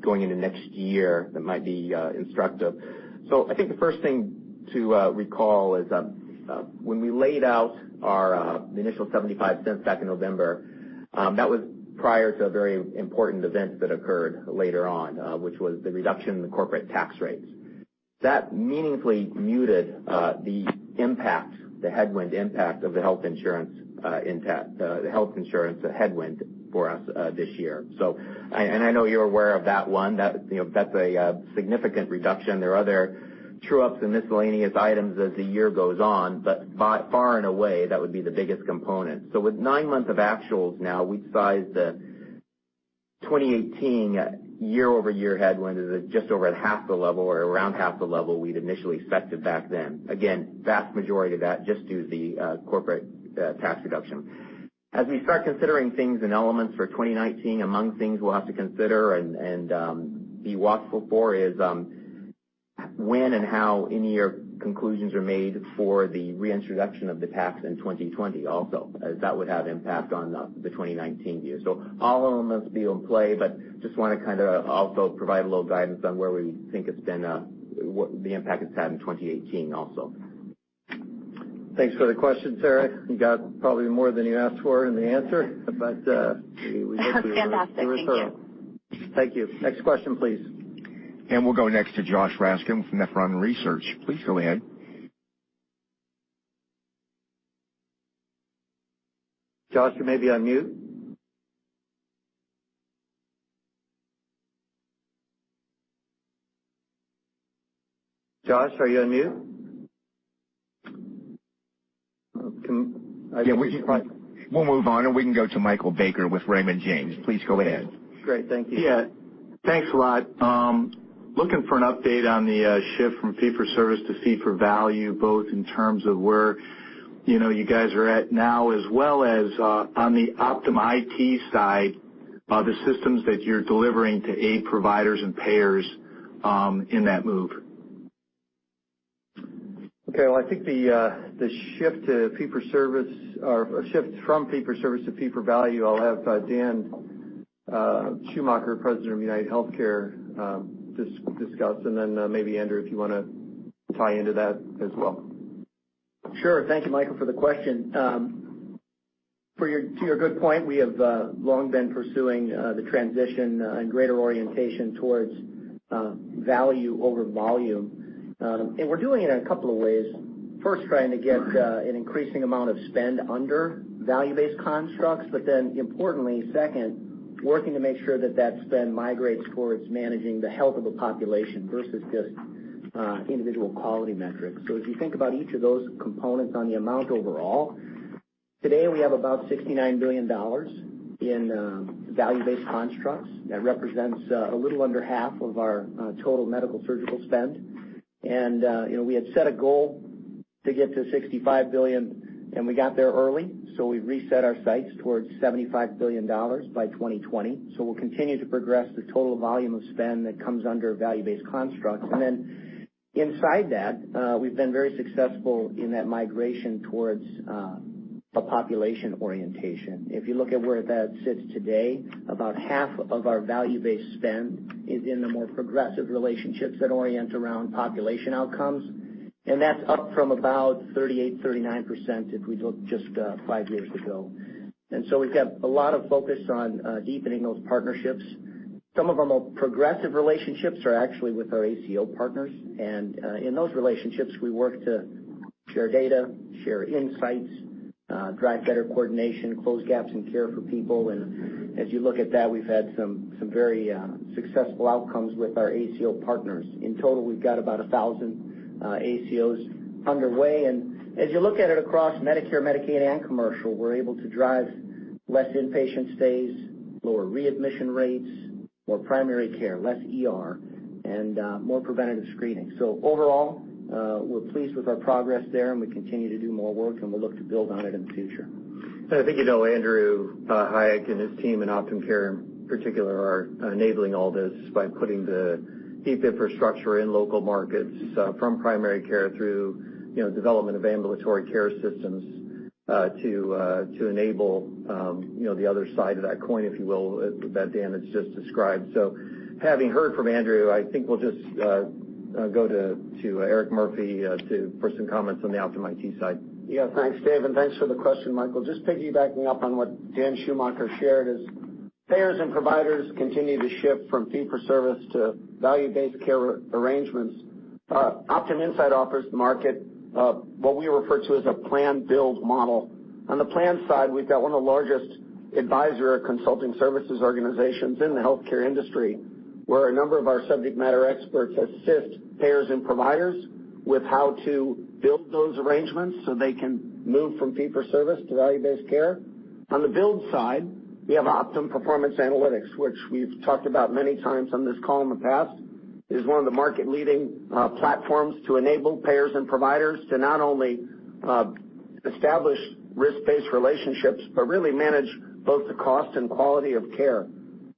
E: going into next year, that might be instructive. I think the first thing to recall is when we laid out our initial $0.75 back in November, that was prior to a very important event that occurred later on, which was the reduction in the corporate tax rates. That meaningfully muted the headwind impact of the health insurance headwind for us this year. I know you're aware of that one. That's a significant reduction. There are other true-ups and miscellaneous items as the year goes on, by far and away, that would be the biggest component. With nine months of actuals now, we'd size the 2018 year-over-year headwind is at just over half the level or around half the level we'd initially set it back then. Again, vast majority of that just due to the corporate tax reduction. As we start considering things and elements for 2019, among things we'll have to consider and be watchful for is when and how any conclusions are made for the reintroduction of the tax in 2020 also, as that would have impact on the 2019 view. All of them must be in play, but just want to also provide a little guidance on what the impact it's had in 2018 also.
B: Thanks for the question, Sarah. You got probably more than you asked for in the answer.
L: That's fantastic. Thank you
B: We hope we were thorough. Thank you. Next question, please.
A: We'll go next to Joshua Raskin from Nephron Research. Please go ahead.
B: Josh, you may be on mute. Josh, are you on mute?
A: We'll move on, we can go to Michael Baker with Raymond James. Please go ahead.
B: Great. Thank you.
M: Thanks a lot. Looking for an update on the shift from fee for service to fee for value, both in terms of where you guys are at now as well as on the Optum IT side, the systems that you're delivering to aid providers and payers in that move.
B: Well, I think the shift from fee for service to fee for value, I'll have Daniel Schumacher, President of UnitedHealthcare, discuss, and then maybe Andrew, if you want to tie into that as well.
N: Thank you, Michael, for the question. To your good point, we have long been pursuing the transition and greater orientation towards value over volume. We're doing it in a couple of ways. First, trying to get an increasing amount of spend under value-based constructs, importantly, second, working to make sure that spend migrates towards managing the health of a population versus just individual quality metrics. If you think about each of those components on the amount overall, today we have about $69 billion in value-based constructs. That represents a little under half of our total medical surgical spend. We had set a goal to get to $65 billion, and we got there early, so we've reset our sights towards $75 billion by 2020. We'll continue to progress the total volume of spend that comes under value-based constructs. Inside that, we've been very successful in that migration towards a population orientation. If you look at where that sits today, about half of our value-based spend is in the more progressive relationships that orient around population outcomes, that's up from about 38%, 39% if we look just five years ago. We've got a lot of focus on deepening those partnerships. Some of our more progressive relationships are actually with our ACO partners. In those relationships, we work to share data, share insights, drive better coordination, close gaps in care for people. As you look at that, we've had some very successful outcomes with our ACO partners. In total, we've got about 1,000 ACOs underway. As you look at it across Medicare, Medicaid, and commercial, we're able to drive less inpatient stays, lower readmission rates, more primary care, less ER, more preventative screening. Overall, we're pleased with our progress there, we continue to do more work, we'll look to build on it in the future.
B: I think Andrew Hayek and his team in Optum Care, in particular, are enabling all this by putting the deep infrastructure in local markets from primary care through development of ambulatory care systems to enable the other side of that coin, if you will, that Dan has just described. Having heard from Andrew, I think we'll just go to Eric Murphy for some comments on the Optum IT side.
O: Thanks, Dave. Thanks for the question, Michael. Just piggybacking up on what Daniel Schumacher shared is payers and providers continue to shift from fee for service to value-based care arrangements. Optum Insight offers the market what we refer to as a plan build model. On the plan side, we've got one of the largest advisor consulting services organizations in the healthcare industry, where a number of our subject matter experts assist payers and providers with how to build those arrangements so they can move from fee for service to value-based care. On the build side, we have Optum Performance Analytics, which we've talked about many times on this call in the past. It is one of the market leading platforms to enable payers and providers to not only establish risk-based relationships, but really manage both the cost and quality of care.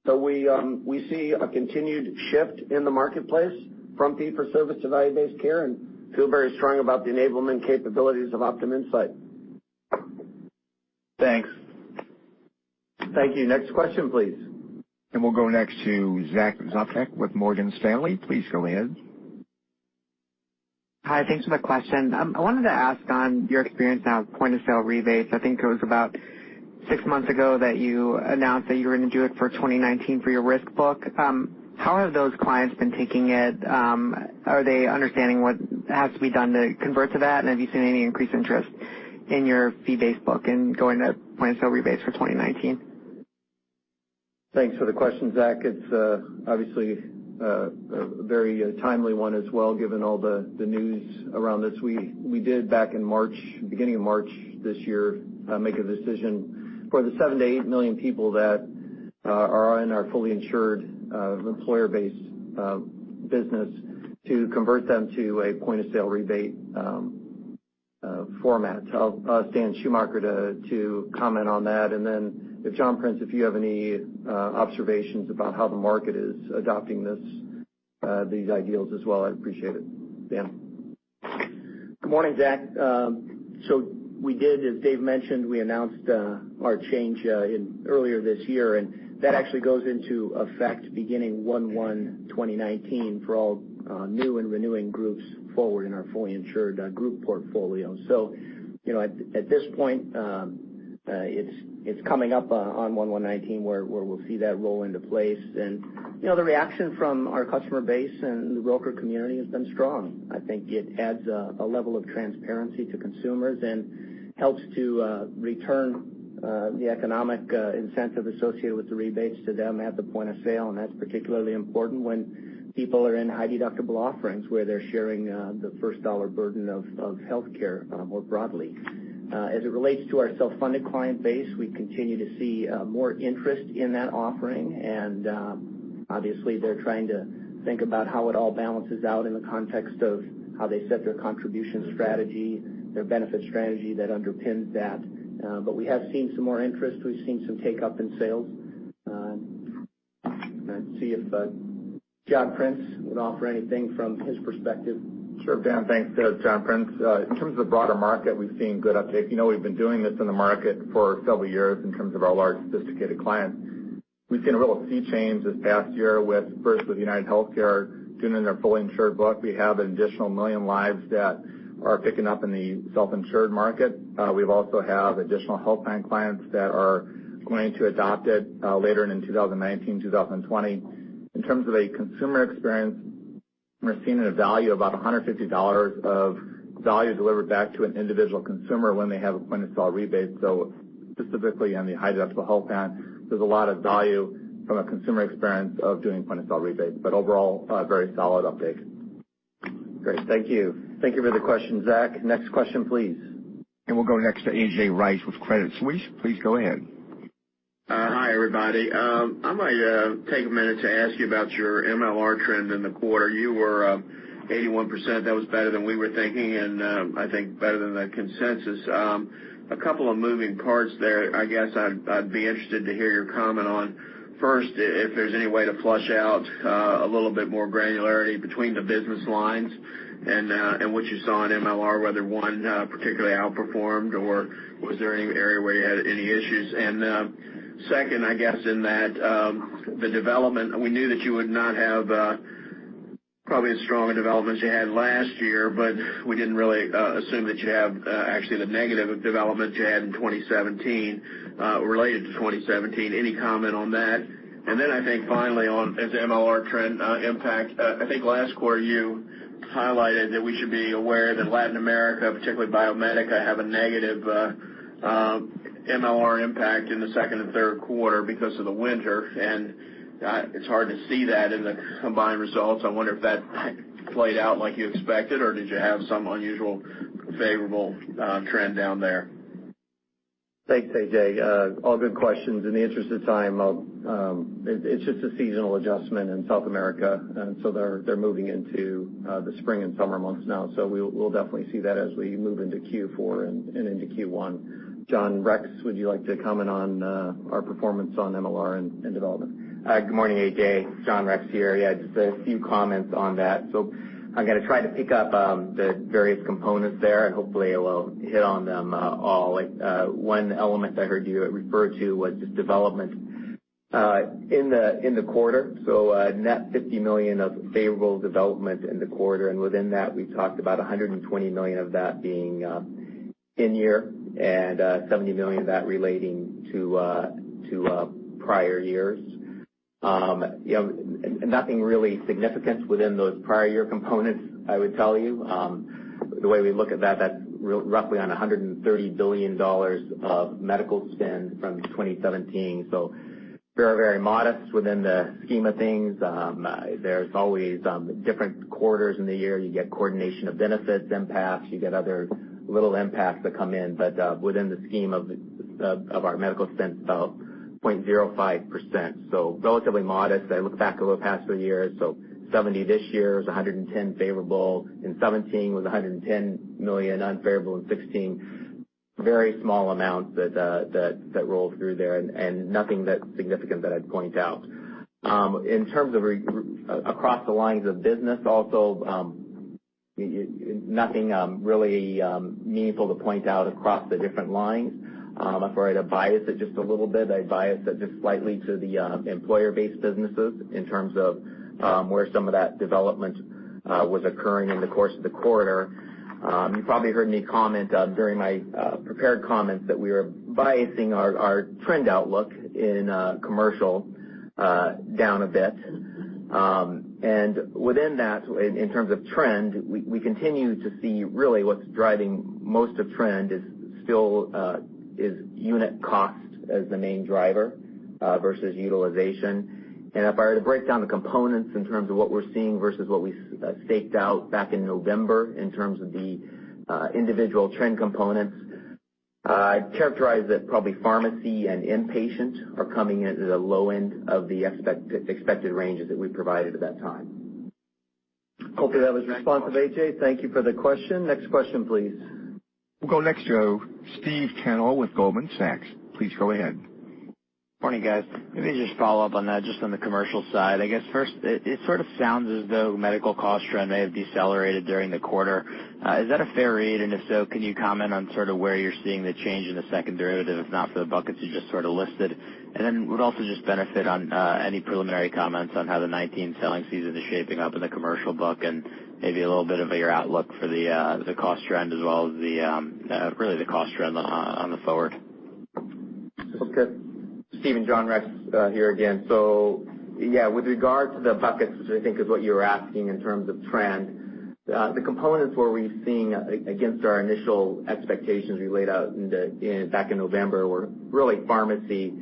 O: We see a continued shift in the marketplace from fee for service to value-based care and feel very strong about the enablement capabilities of Optum Insight.
B: Thanks. Thank you. Next question, please.
A: We'll go next to Zack Sopcak with Morgan Stanley. Please go in.
P: Thanks for the question. I wanted to ask on your experience now with point-of-sale rebates. I think it was about six months ago that you announced that you were going to do it for 2019 for your risk book. How have those clients been taking it? Are they understanding what has to be done to convert to that? Have you seen any increased interest in your fee-based book and going to point-of-sale rebates for 2019?
B: Thanks for the question, Zack. It's obviously a very timely one as well, given all the news around this. We did back in March, beginning of March this year, make a decision for the seven to eight million people that are in our fully insured employer-based business to convert them to a point-of-sale rebate format. I'll ask Daniel Schumacher to comment on that, and then if John Prince, if you have any observations about how the market is adopting these ideals as well, I'd appreciate it. Dan?
N: Good morning, Zack. We did, as Dave mentioned, we announced our change earlier this year, and that actually goes into effect beginning 01/01/2019 for all new and renewing groups forward in our fully insured group portfolio. At this point, it's coming up on 1/1/2019 where we'll see that roll into place. The reaction from our customer base and the broker community has been strong. I think it adds a level of transparency to consumers and helps to return the economic incentive associated with the rebates to them at the point of sale. That's particularly important when people are in high deductible offerings, where they're sharing the first dollar burden of healthcare more broadly. As it relates to our self-funded client base, we continue to see more interest in that offering, and obviously, they're trying to think about how it all balances out in the context of how they set their contribution strategy, their benefit strategy that underpins that. We have seen some more interest. We've seen some take-up in sales. I'd see if John Prince would offer anything from his perspective.
Q: Sure, Dan. Thanks. John Prince. In terms of the broader market, we've seen good uptake. We've been doing this in the market for several years in terms of our large sophisticated clients. We've seen a real sea change this past year with, first, with UnitedHealthcare doing their fully insured book. We have an additional million lives that are picking up in the self-insured market. We also have additional health plan clients that are going to adopt it later in 2019, 2020. In terms of a consumer experience, we're seeing a value of about $150 of value delivered back to an individual consumer when they have a point-of-sale rebate. Specifically on the high deductible health plan, there's a lot of value from a consumer experience of doing point-of-sale rebates, but overall, a very solid uptake.
B: Great. Thank you. Thank you for the question, Zack. Next question, please.
A: We'll go next to A.J. Rice with Credit Suisse. Please go ahead.
R: Hi, everybody. I might take a minute to ask you about your MLR trend in the quarter. You were up 81%. That was better than we were thinking, and I think better than the consensus. A couple of moving parts there, I guess I'd be interested to hear your comment on. First, if there's any way to flush out a little bit more granularity between the business lines and what you saw in MLR, whether one particularly outperformed or was there any area where you had any issues? Second, I guess in that, the development. We knew that you would not have probably as strong a development as you had last year, but we didn't really assume that you have actually the negative development you had in 2017, related to 2017. Any comment on that? I think finally on, as MLR trend impact, I think last quarter you highlighted that we should be aware that Latin America, particularly Banmédica, have a negative MLR impact in the second and third quarter because of the winter. It's hard to see that in the combined results. I wonder if that played out like you expected, or did you have some unusual favorable trend down there?
B: Thanks, A.J. All good questions. In the interest of time, it's just a seasonal adjustment in South America, and so they're moving into the spring and summer months now. We'll definitely see that as we move into Q4 and into Q1. John Rex, would you like to comment on our performance on MLR and development?
E: Good morning, A.J. John Rex here. Just a few comments on that. I'm going to try to pick up the various components there, and hopefully I will hit on them all. One element I heard you refer to was just development in the quarter. A net $50 million of favorable development in the quarter, and within that, we've talked about $120 million of that being in-year and $70 million of that relating to prior years. Nothing really significant within those prior year components, I would tell you. The way we look at that's roughly on $130 billion of medical spend from 2017. Very modest within the scheme of things. There's always different quarters in the year. You get coordination of benefits impacts, you get other little impacts that come in. Within the scheme of our medical spend, 0.05%. Relatively modest. I look back over the past few years, so $70 this year was $110 favorable. In 2017 was $110 million unfavorable. In 2016, very small amounts that rolled through there and nothing that significant that I'd point out. In terms of across the lines of business also Nothing really meaningful to point out across the different lines. If I were to bias it just a little bit, I'd bias it just slightly to the employer-based businesses in terms of where some of that development was occurring in the course of the quarter. You probably heard me comment during my prepared comments that we are biasing our trend outlook in commercial down a bit. Within that, in terms of trend, we continue to see really what's driving most of trend is unit cost as the main driver versus utilization. If I were to break down the components in terms of what we're seeing versus what we staked out back in November in terms of the individual trend components, I'd characterize that probably pharmacy and inpatient are coming in at the low end of the expected ranges that we provided at that time. Hopefully that was responsive, A.J. Thank you for the question. Next question, please.
A: We'll go next to Stephen Tanal with Goldman Sachs. Please go ahead.
S: Morning, guys. Let me just follow up on that, just on the commercial side. I guess first, it sort of sounds as though medical cost trend may have decelerated during the quarter. Is that a fair read? If so, can you comment on sort of where you're seeing the change in the second derivative, if not for the buckets you just sort of listed? Then would also just benefit on any preliminary comments on how the 2019 selling season is shaping up in the commercial book and maybe a little bit of your outlook for the cost trend as well as really the cost trend on the forward.
E: Okay. Steve and John Rex here again. Yeah, with regard to the buckets, which I think is what you were asking in terms of trend, the components where we're seeing against our initial expectations we laid out back in November, were really pharmacy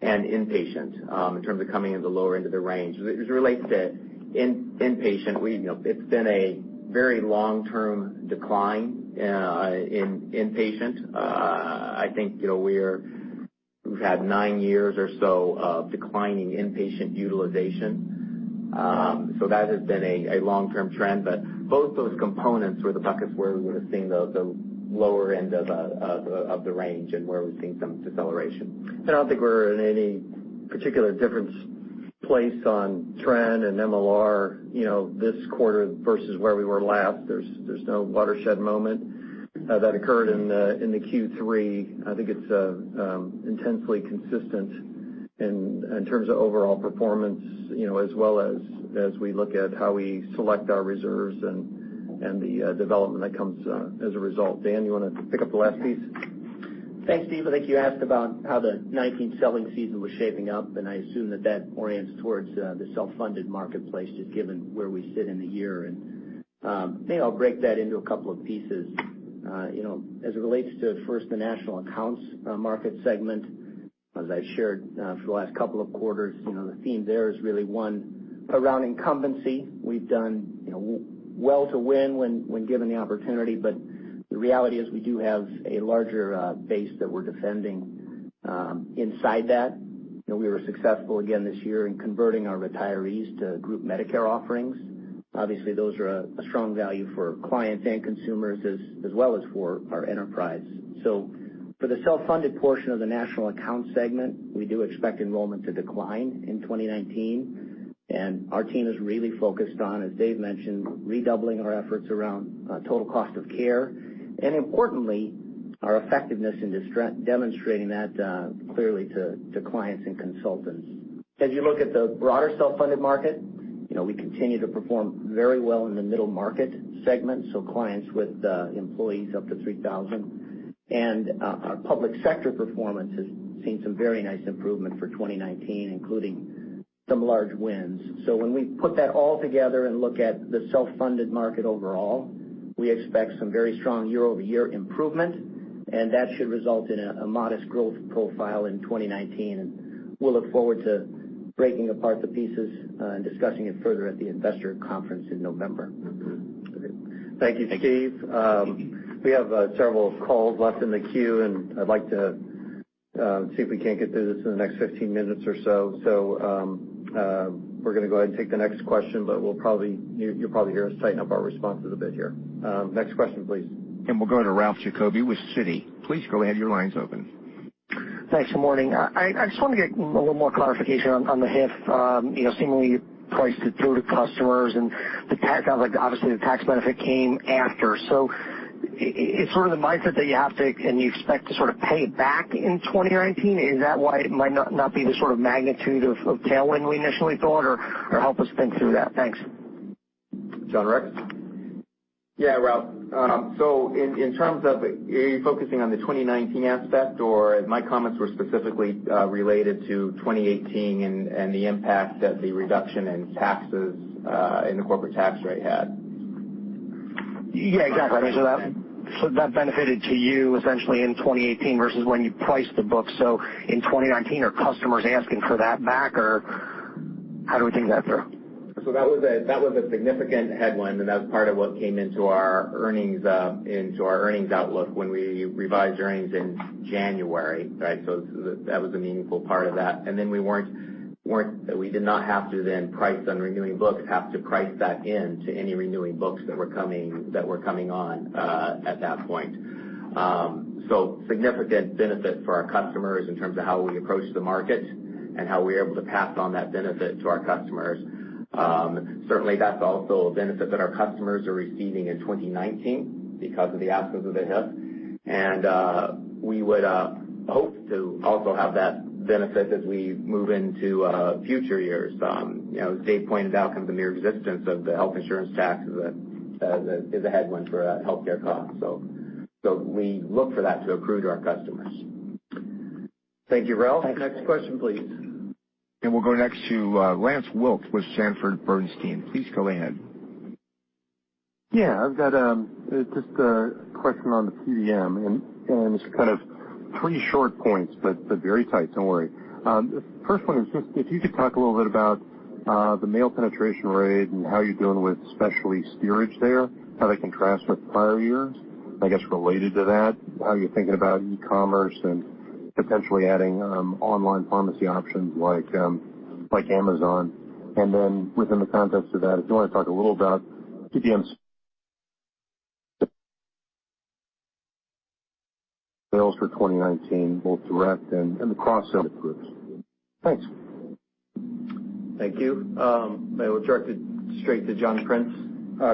E: and inpatient in terms of coming in the lower end of the range. As it relates to inpatient, it's been a very long-term decline in inpatient. I think we've had nine years or so of declining inpatient utilization. That has been a long-term trend, but both those components were the buckets where we were seeing the lower end of the range and where we're seeing some deceleration.
B: I don't think we're in any particular different place on trend and MLR this quarter versus where we were last. There's no watershed moment that occurred in the Q3. I think it's intensely consistent in terms of overall performance as well as we look at how we select our reserves and the development that comes as a result. Dan, you want to pick up the last piece?
N: Thanks, Steve. I think you asked about how the 2019 selling season was shaping up, and I assume that that orients towards the self-funded marketplace, just given where we sit in the year. Maybe I'll break that into a couple of pieces. As it relates to first the National Accounts market segment, as I shared for the last couple of quarters, the theme there is really one around incumbency. We've done well to win when given the opportunity, but the reality is we do have a larger base that we're defending inside that. We were successful again this year in converting our retirees to group Medicare offerings. Obviously, those are a strong value for clients and consumers as well as for our enterprise. For the self-funded portion of the National Account segment, we do expect enrollment to decline in 2019. Our team is really focused on, as Dave mentioned, redoubling our efforts around total cost of care and importantly, our effectiveness in demonstrating that clearly to clients and consultants. As you look at the broader self-funded market, we continue to perform very well in the middle market segment, so clients with employees up to 3,000. Our public sector performance has seen some very nice improvement for 2019, including some large wins. When we put that all together and look at the self-funded market overall, we expect some very strong year-over-year improvement, and that should result in a modest growth profile in 2019. We'll look forward to breaking apart the pieces and discussing it further at the investor conference in November.
S: Great.
B: Thank you, Steve. We have several calls left in the queue, and I'd like to see if we can't get through this in the next 15 minutes or so. We're going to go ahead and take the next question, but you'll probably hear us tighten up our responses a bit here. Next question, please.
A: We'll go to Ralph Giacobbe with Citi. Please go ahead, your line's open.
T: Thanks. Good morning. I just wanted to get a little more clarification on the HIF. Seemingly you priced it through to customers and obviously the tax benefit came after. Is sort of the mindset that you have to, and you expect to sort of pay it back in 2019? Is that why it might not be the sort of magnitude of tailwind we initially thought? Help us think through that. Thanks.
B: John Rex?
E: Ralph. In terms of, are you focusing on the 2019 aspect, or my comments were specifically related to 2018 and the impact that the reduction in taxes in the corporate tax rate had.
T: Yeah, exactly. That benefited to you essentially in 2018 versus when you priced the book. In 2019, are customers asking for that back or how do we think that through?
E: That was a significant headwind and that was part of what came into our earnings outlook when we revised earnings in January, right? That was a meaningful part of that. We did not have to then price on renewing books, have to price that in to any renewing books that were coming on at that point. Significant benefit for our customers in terms of how we approach the market. How we are able to pass on that benefit to our customers. Certainly, that's also a benefit that our customers are receiving in 2019 because of the absence of the HIF. We would hope to also have that benefit as we move into future years. As Dave pointed out, the mere existence of the health insurance tax is a headwind for healthcare costs. We look for that to accrue to our customers.
B: Thank you, Ralph. Next question, please.
A: We'll go next to Lance Wilkes with Sanford Bernstein. Please go ahead.
U: I've got just a question on the PBM and just kind of three short points, but very tight, don't worry. First one is just if you could talk a little bit about the mail penetration rate and how you're doing with specialty storage there, how that contrasts with prior years. I guess related to that, how you're thinking about e-commerce and potentially adding online pharmacy options like Amazon. Then within the context of that, if you want to talk a little about PBMs, sales for 2019, both direct and the crossover groups. Thanks.
B: Thank you. I will direct it straight to John Prince.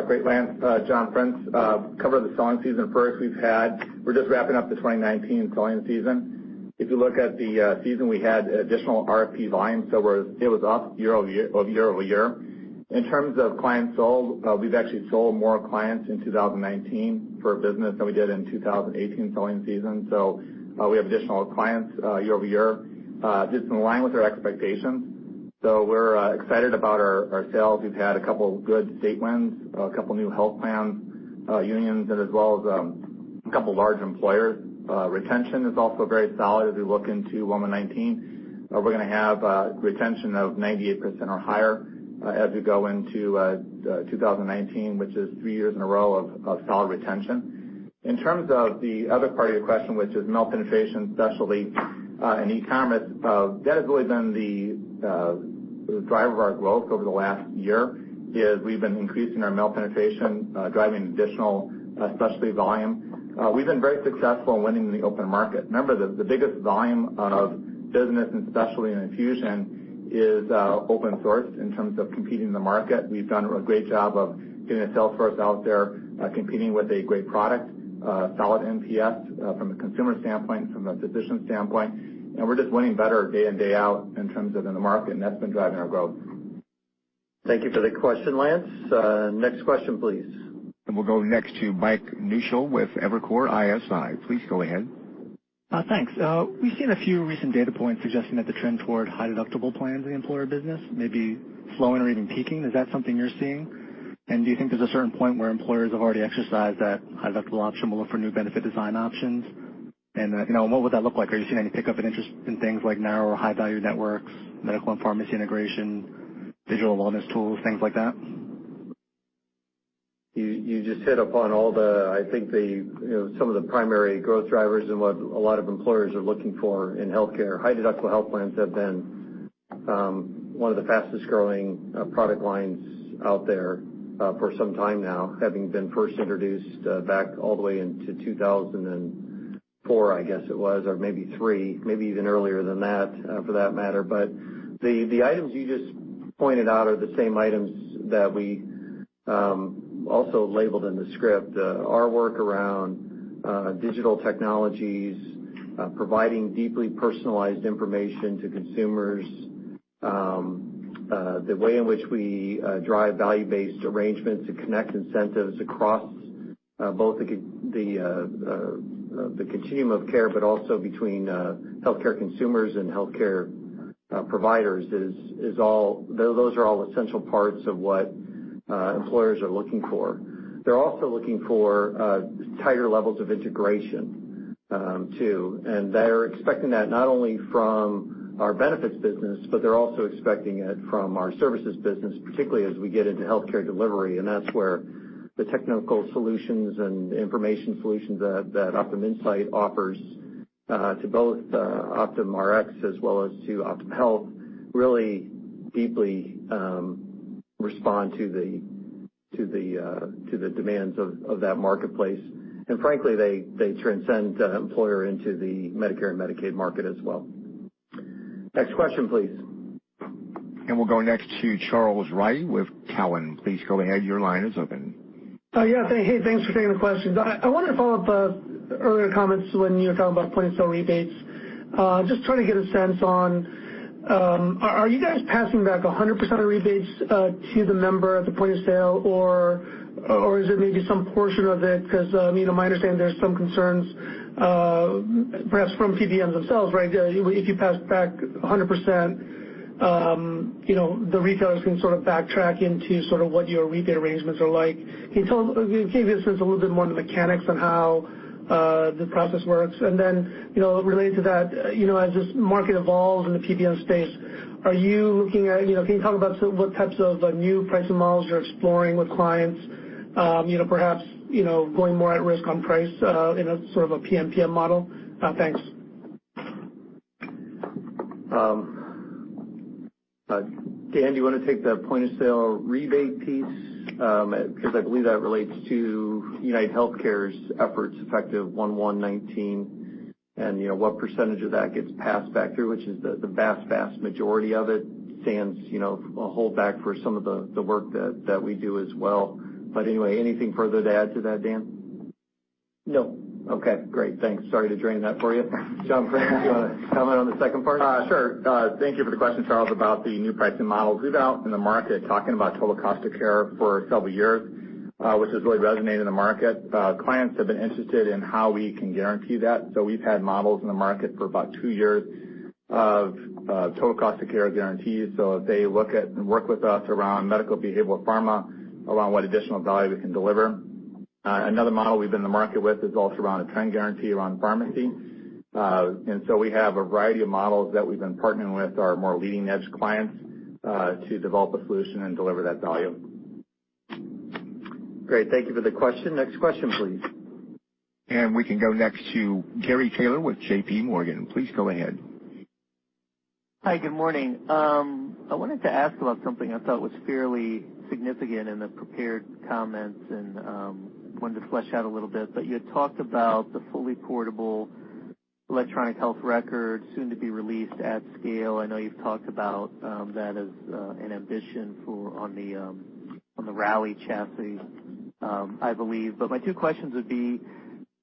Q: Great, Lance. John Prince. Cover the selling season first. We're just wrapping up the 2019 selling season. If you look at the season, we had additional RFP volume, it was up year-over-year. In terms of clients sold, we've actually sold more clients in 2019 for business than we did in 2018 selling season. We have additional clients year-over-year, just in line with our expectations. We're excited about our sales. We've had a couple good state wins, a couple new health plans, unions, and as well as a couple large employers. Retention is also very solid as we look into 2019. We're going to have retention of 98% or higher as we go into 2019, which is three years in a row of solid retention. In terms of the other part of your question, which is mail penetration, specialty, and e-commerce, that has really been the driver of our growth over the last year, is we've been increasing our mail penetration, driving additional specialty volume. We've been very successful in winning in the open market. Remember, the biggest volume of business and specialty and infusion is open source in terms of competing in the market. We've done a great job of getting a sales force out there, competing with a great product, solid NPS from the consumer standpoint, from the physician standpoint, and we're just winning better day in, day out in terms of in the market, and that's been driving our growth.
B: Thank you for the question, Lance. Next question, please.
A: We'll go next to Michael Newshel with Evercore ISI. Please go ahead.
V: Thanks. We've seen a few recent data points suggesting that the trend toward high deductible plans in the employer business may be slowing or even peaking. Is that something you're seeing? Do you think there's a certain point where employers have already exercised that high deductible option, will look for new benefit design options? What would that look like? Are you seeing any pickup in interest in things like narrow or high-value networks, medical and pharmacy integration, digital wellness tools, things like that?
Q: You just hit upon all the, I think some of the primary growth drivers and what a lot of employers are looking for in healthcare. High deductible health plans have been one of the fastest-growing product lines out there for some time now, having been first introduced back all the way into 2004, I guess it was, or maybe 2003, maybe even earlier than that, for that matter. The items you just pointed out are the same items that we also labeled in the script. Our work around digital technologies, providing deeply personalized information to consumers, the way in which we drive value-based arrangements to connect incentives across both the continuum of care, but also between healthcare consumers and healthcare providers, those are all essential parts of what employers are looking for.
B: They're also looking for tighter levels of integration, too, and they're expecting that not only from our benefits business, but they're also expecting it from our services business, particularly as we get into healthcare delivery. That's where the technical solutions and information solutions that Optum Insight offers to both Optum Rx as well as to Optum Health really deeply respond to the demands of that marketplace. Frankly, they transcend employer into the Medicare and Medicaid market as well. Next question, please.
A: We'll go next to Charles Rhyee with Cowen. Please go ahead. Your line is open.
W: Yeah. Hey, thanks for taking the question. I wanted to follow up earlier comments when you were talking about point-of-sale rebates. Just trying to get a sense on, are you guys passing back 100% of rebates to the member at the point of sale, or is it maybe some portion of it? Because my understanding, there's some concerns, perhaps from PBMs themselves. If you pass back 100%, the retailers can sort of backtrack into sort of what your rebate arrangements are like. Can you give me a sense a little bit more on the mechanics on how the process works? Then related to that, as this market evolves in the PBM space, can you talk about what types of new pricing models you're exploring with clients, perhaps going more at risk on price in a sort of a PMPM model? Thanks.
B: Dan, do you want to take the point-of-sale rebate piece? Because I believe that relates to UnitedHealthcare's efforts effective 1/1/2019, and what percentage of that gets passed back through, which is the vast majority of it stands, a holdback for some of the work that we do as well. Anyway, anything further to add to that, Dan?
N: No.
B: Okay, great. Thanks. Sorry to drain that for you. John Prince, do you want to comment on the second part?
Q: Sure. Thank you for the question, Charles, about the new pricing model. We've out in the market talking about total cost of care for several years, which has really resonated in the market. Clients have been interested in how we can guarantee that. We've had models in the market for about two years of total cost of care guarantees. They look at and work with us around medical, behavioral, pharma, around what additional value we can deliver. Another model we've been to market with is also around a trend guarantee around pharmacy. We have a variety of models that we've been partnering with our more leading-edge clients, to develop a solution and deliver that value.
B: Great. Thank you for the question. Next question, please.
A: We can go next to Gary Taylor with J.P. Morgan. Please go ahead.
X: Hi, good morning. I wanted to ask about something I thought was fairly significant in the prepared comments and, wanted to flesh out a little bit. You had talked about the fully portable electronic health record soon to be released at scale. I know you've talked about that as an ambition on the Rally chassis, I believe. My two questions would be,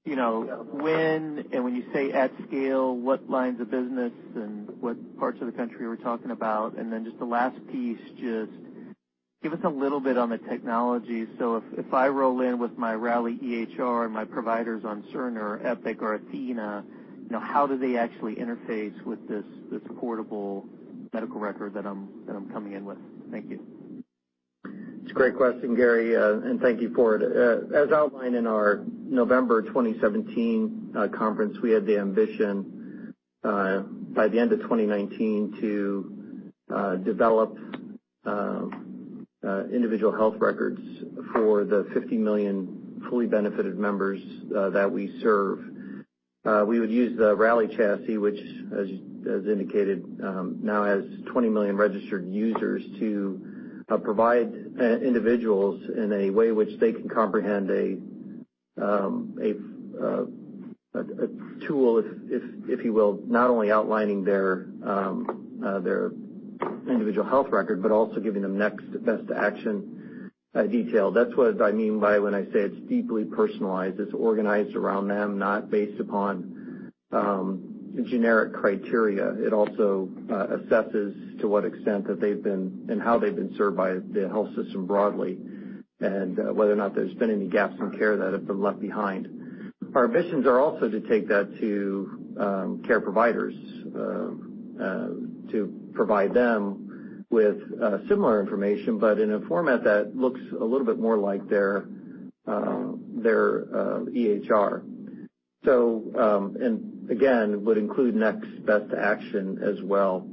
X: when, and when you say at scale, what lines of business and what parts of the country are we talking about? Then just the last piece, just give us a little bit on the technology. If I roll in with my Rally EHR and my provider's on Cerner, Epic, or athenahealth, how do they actually interface with this portable medical record that I'm coming in with? Thank you.
B: It's a great question, Gary, and thank you for it. As outlined in our November 2017 conference, we had the ambition by the end of 2019 to develop individual health records for the 50 million fully benefited members that we serve. We would use the Rally chassis, which as indicated, now has 20 million registered users to provide individuals in a way which they can comprehend a tool, if you will, not only outlining their individual health record, but also giving them next best action detail. That's what I mean by when I say it's deeply personalized. It's organized around them, not based upon generic criteria. It also assesses to what extent that they've been and how they've been served by the health system broadly, and whether or not there's been any gaps in care that have been left behind. Our ambitions are also to take that to care providers, to provide them with similar information, but in a format that looks a little bit more like their EHR. Again, would include next best action as well.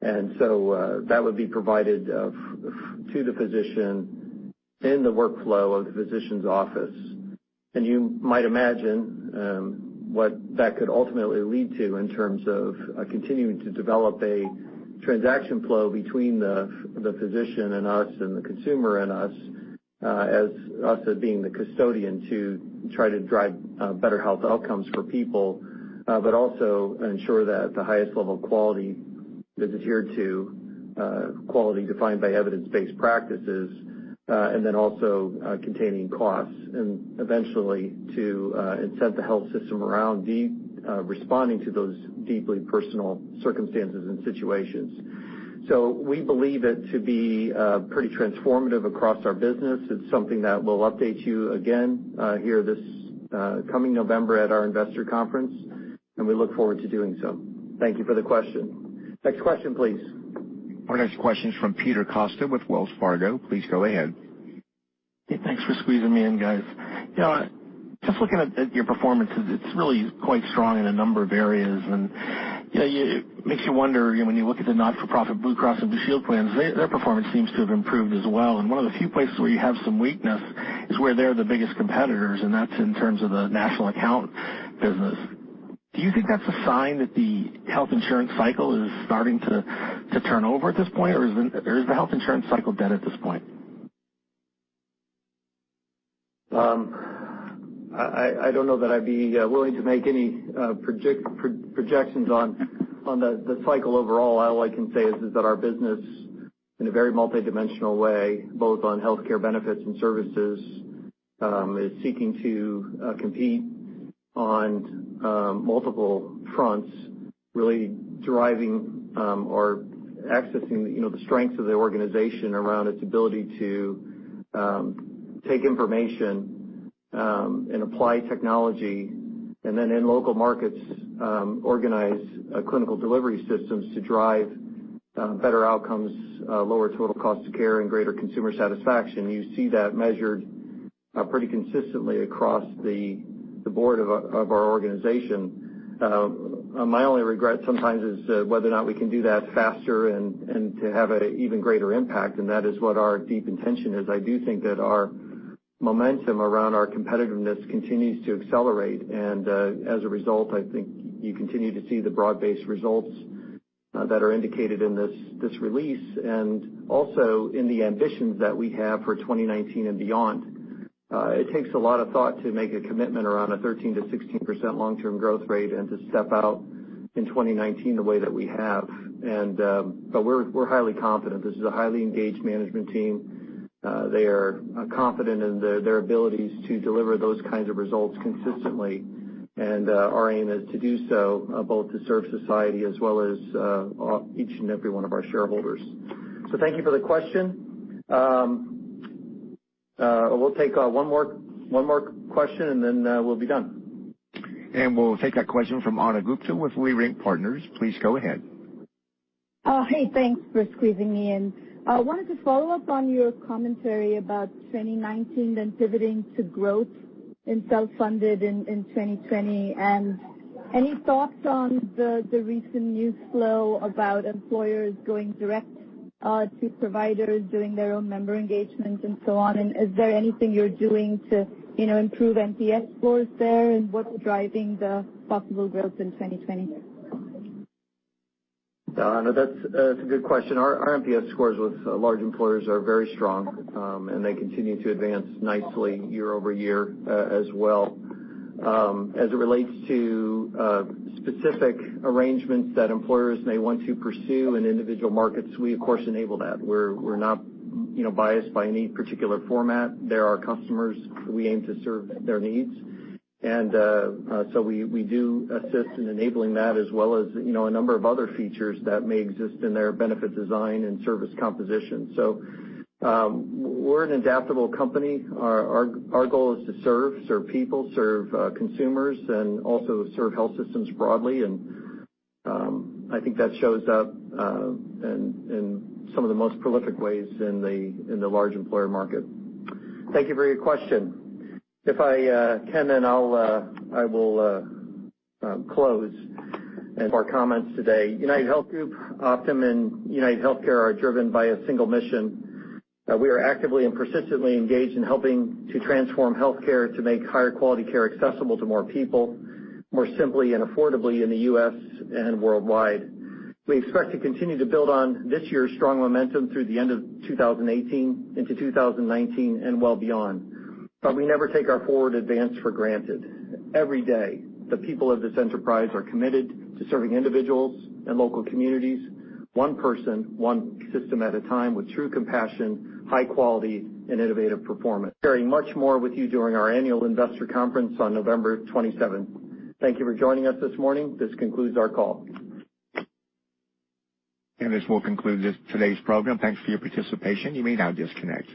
B: That would be provided to the physician in the workflow of the physician's office. You might imagine what that could ultimately lead to in terms of continuing to develop a transaction flow between the physician and us and the consumer and us, as us being the custodian to try to drive better health outcomes for people, but also ensure that the highest level of quality is adhered to, quality defined by evidence-based practices, also containing costs, and eventually to incent the health system around responding to those deeply personal circumstances and situations. We believe it to be pretty transformative across our business. It's something that we'll update you again here this coming November at our investor conference, and we look forward to doing so. Thank you for the question. Next question, please.
A: Our next question is from Peter Costa with Wells Fargo. Please go ahead.
Y: Thanks for squeezing me in, guys. Just looking at your performances, it's really quite strong in a number of areas, and it makes you wonder when you look at the not-for-profit Blue Cross and Blue Shield plans, their performance seems to have improved as well. One of the few places where you have some weakness is where they're the biggest competitors, and that's in terms of the national account business. Do you think that's a sign that the health insurance cycle is starting to turn over at this point, or is the health insurance cycle dead at this point?
B: I don't know that I'd be willing to make any projections on the cycle overall. All I can say is that our business, in a very multidimensional way, both on healthcare benefits and services, is seeking to compete on multiple fronts, really driving or accessing the strengths of the organization around its ability to take information and apply technology, and then in local markets, organize clinical delivery systems to drive better outcomes, lower total cost of care, and greater consumer satisfaction. You see that measured pretty consistently across the board of our organization. My only regret sometimes is whether or not we can do that faster and to have an even greater impact, and that is what our deep intention is. I do think that our momentum around our competitiveness continues to accelerate, and as a result, I think you continue to see the broad-based results that are indicated in this release, and also in the ambitions that we have for 2019 and beyond. It takes a lot of thought to make a commitment around a 13%-16% long-term growth rate and to step out in 2019 the way that we have. We're highly confident. This is a highly engaged management team. They are confident in their abilities to deliver those kinds of results consistently. Our aim is to do so both to serve society as well as each and every one of our shareholders. Thank you for the question. We'll take one more question and then we'll be done.
A: We'll take that question from Ana Gupte with Leerink Partners. Please go ahead.
Z: Oh, hey, thanks for squeezing me in. I wanted to follow up on your commentary about 2019 pivoting to growth in self-funded in 2020. Any thoughts on the recent news flow about employers going direct to providers doing their own member engagement and so on, and is there anything you're doing to improve NPS scores there? What's driving the possible growth in 2020?
B: Ana, that's a good question. Our NPS scores with large employers are very strong, they continue to advance nicely year-over-year as well. As it relates to specific arrangements that employers may want to pursue in individual markets, we of course enable that. We're not biased by any particular format. They're our customers. We aim to serve their needs. We do assist in enabling that as well as a number of other features that may exist in their benefit design and service composition. We're an adaptable company. Our goal is to serve people, serve consumers, and also serve health systems broadly. I think that shows up in some of the most prolific ways in the large employer market. Thank you for your question. If I can I will close our comments today. UnitedHealth Group, Optum and UnitedHealthcare are driven by a single mission. We are actively and persistently engaged in helping to transform healthcare to make higher quality care accessible to more people, more simply and affordably in the U.S. and worldwide. We expect to continue to build on this year's strong momentum through the end of 2018 into 2019 and well beyond. We never take our forward advance for granted. Every day, the people of this enterprise are committed to serving individuals and local communities, one person, one system at a time with true compassion, high quality and innovative performance. Sharing much more with you during our annual investor conference on November 27th. Thank you for joining us this morning. This concludes our call.
A: This will conclude today's program. Thanks for your participation. You may now disconnect.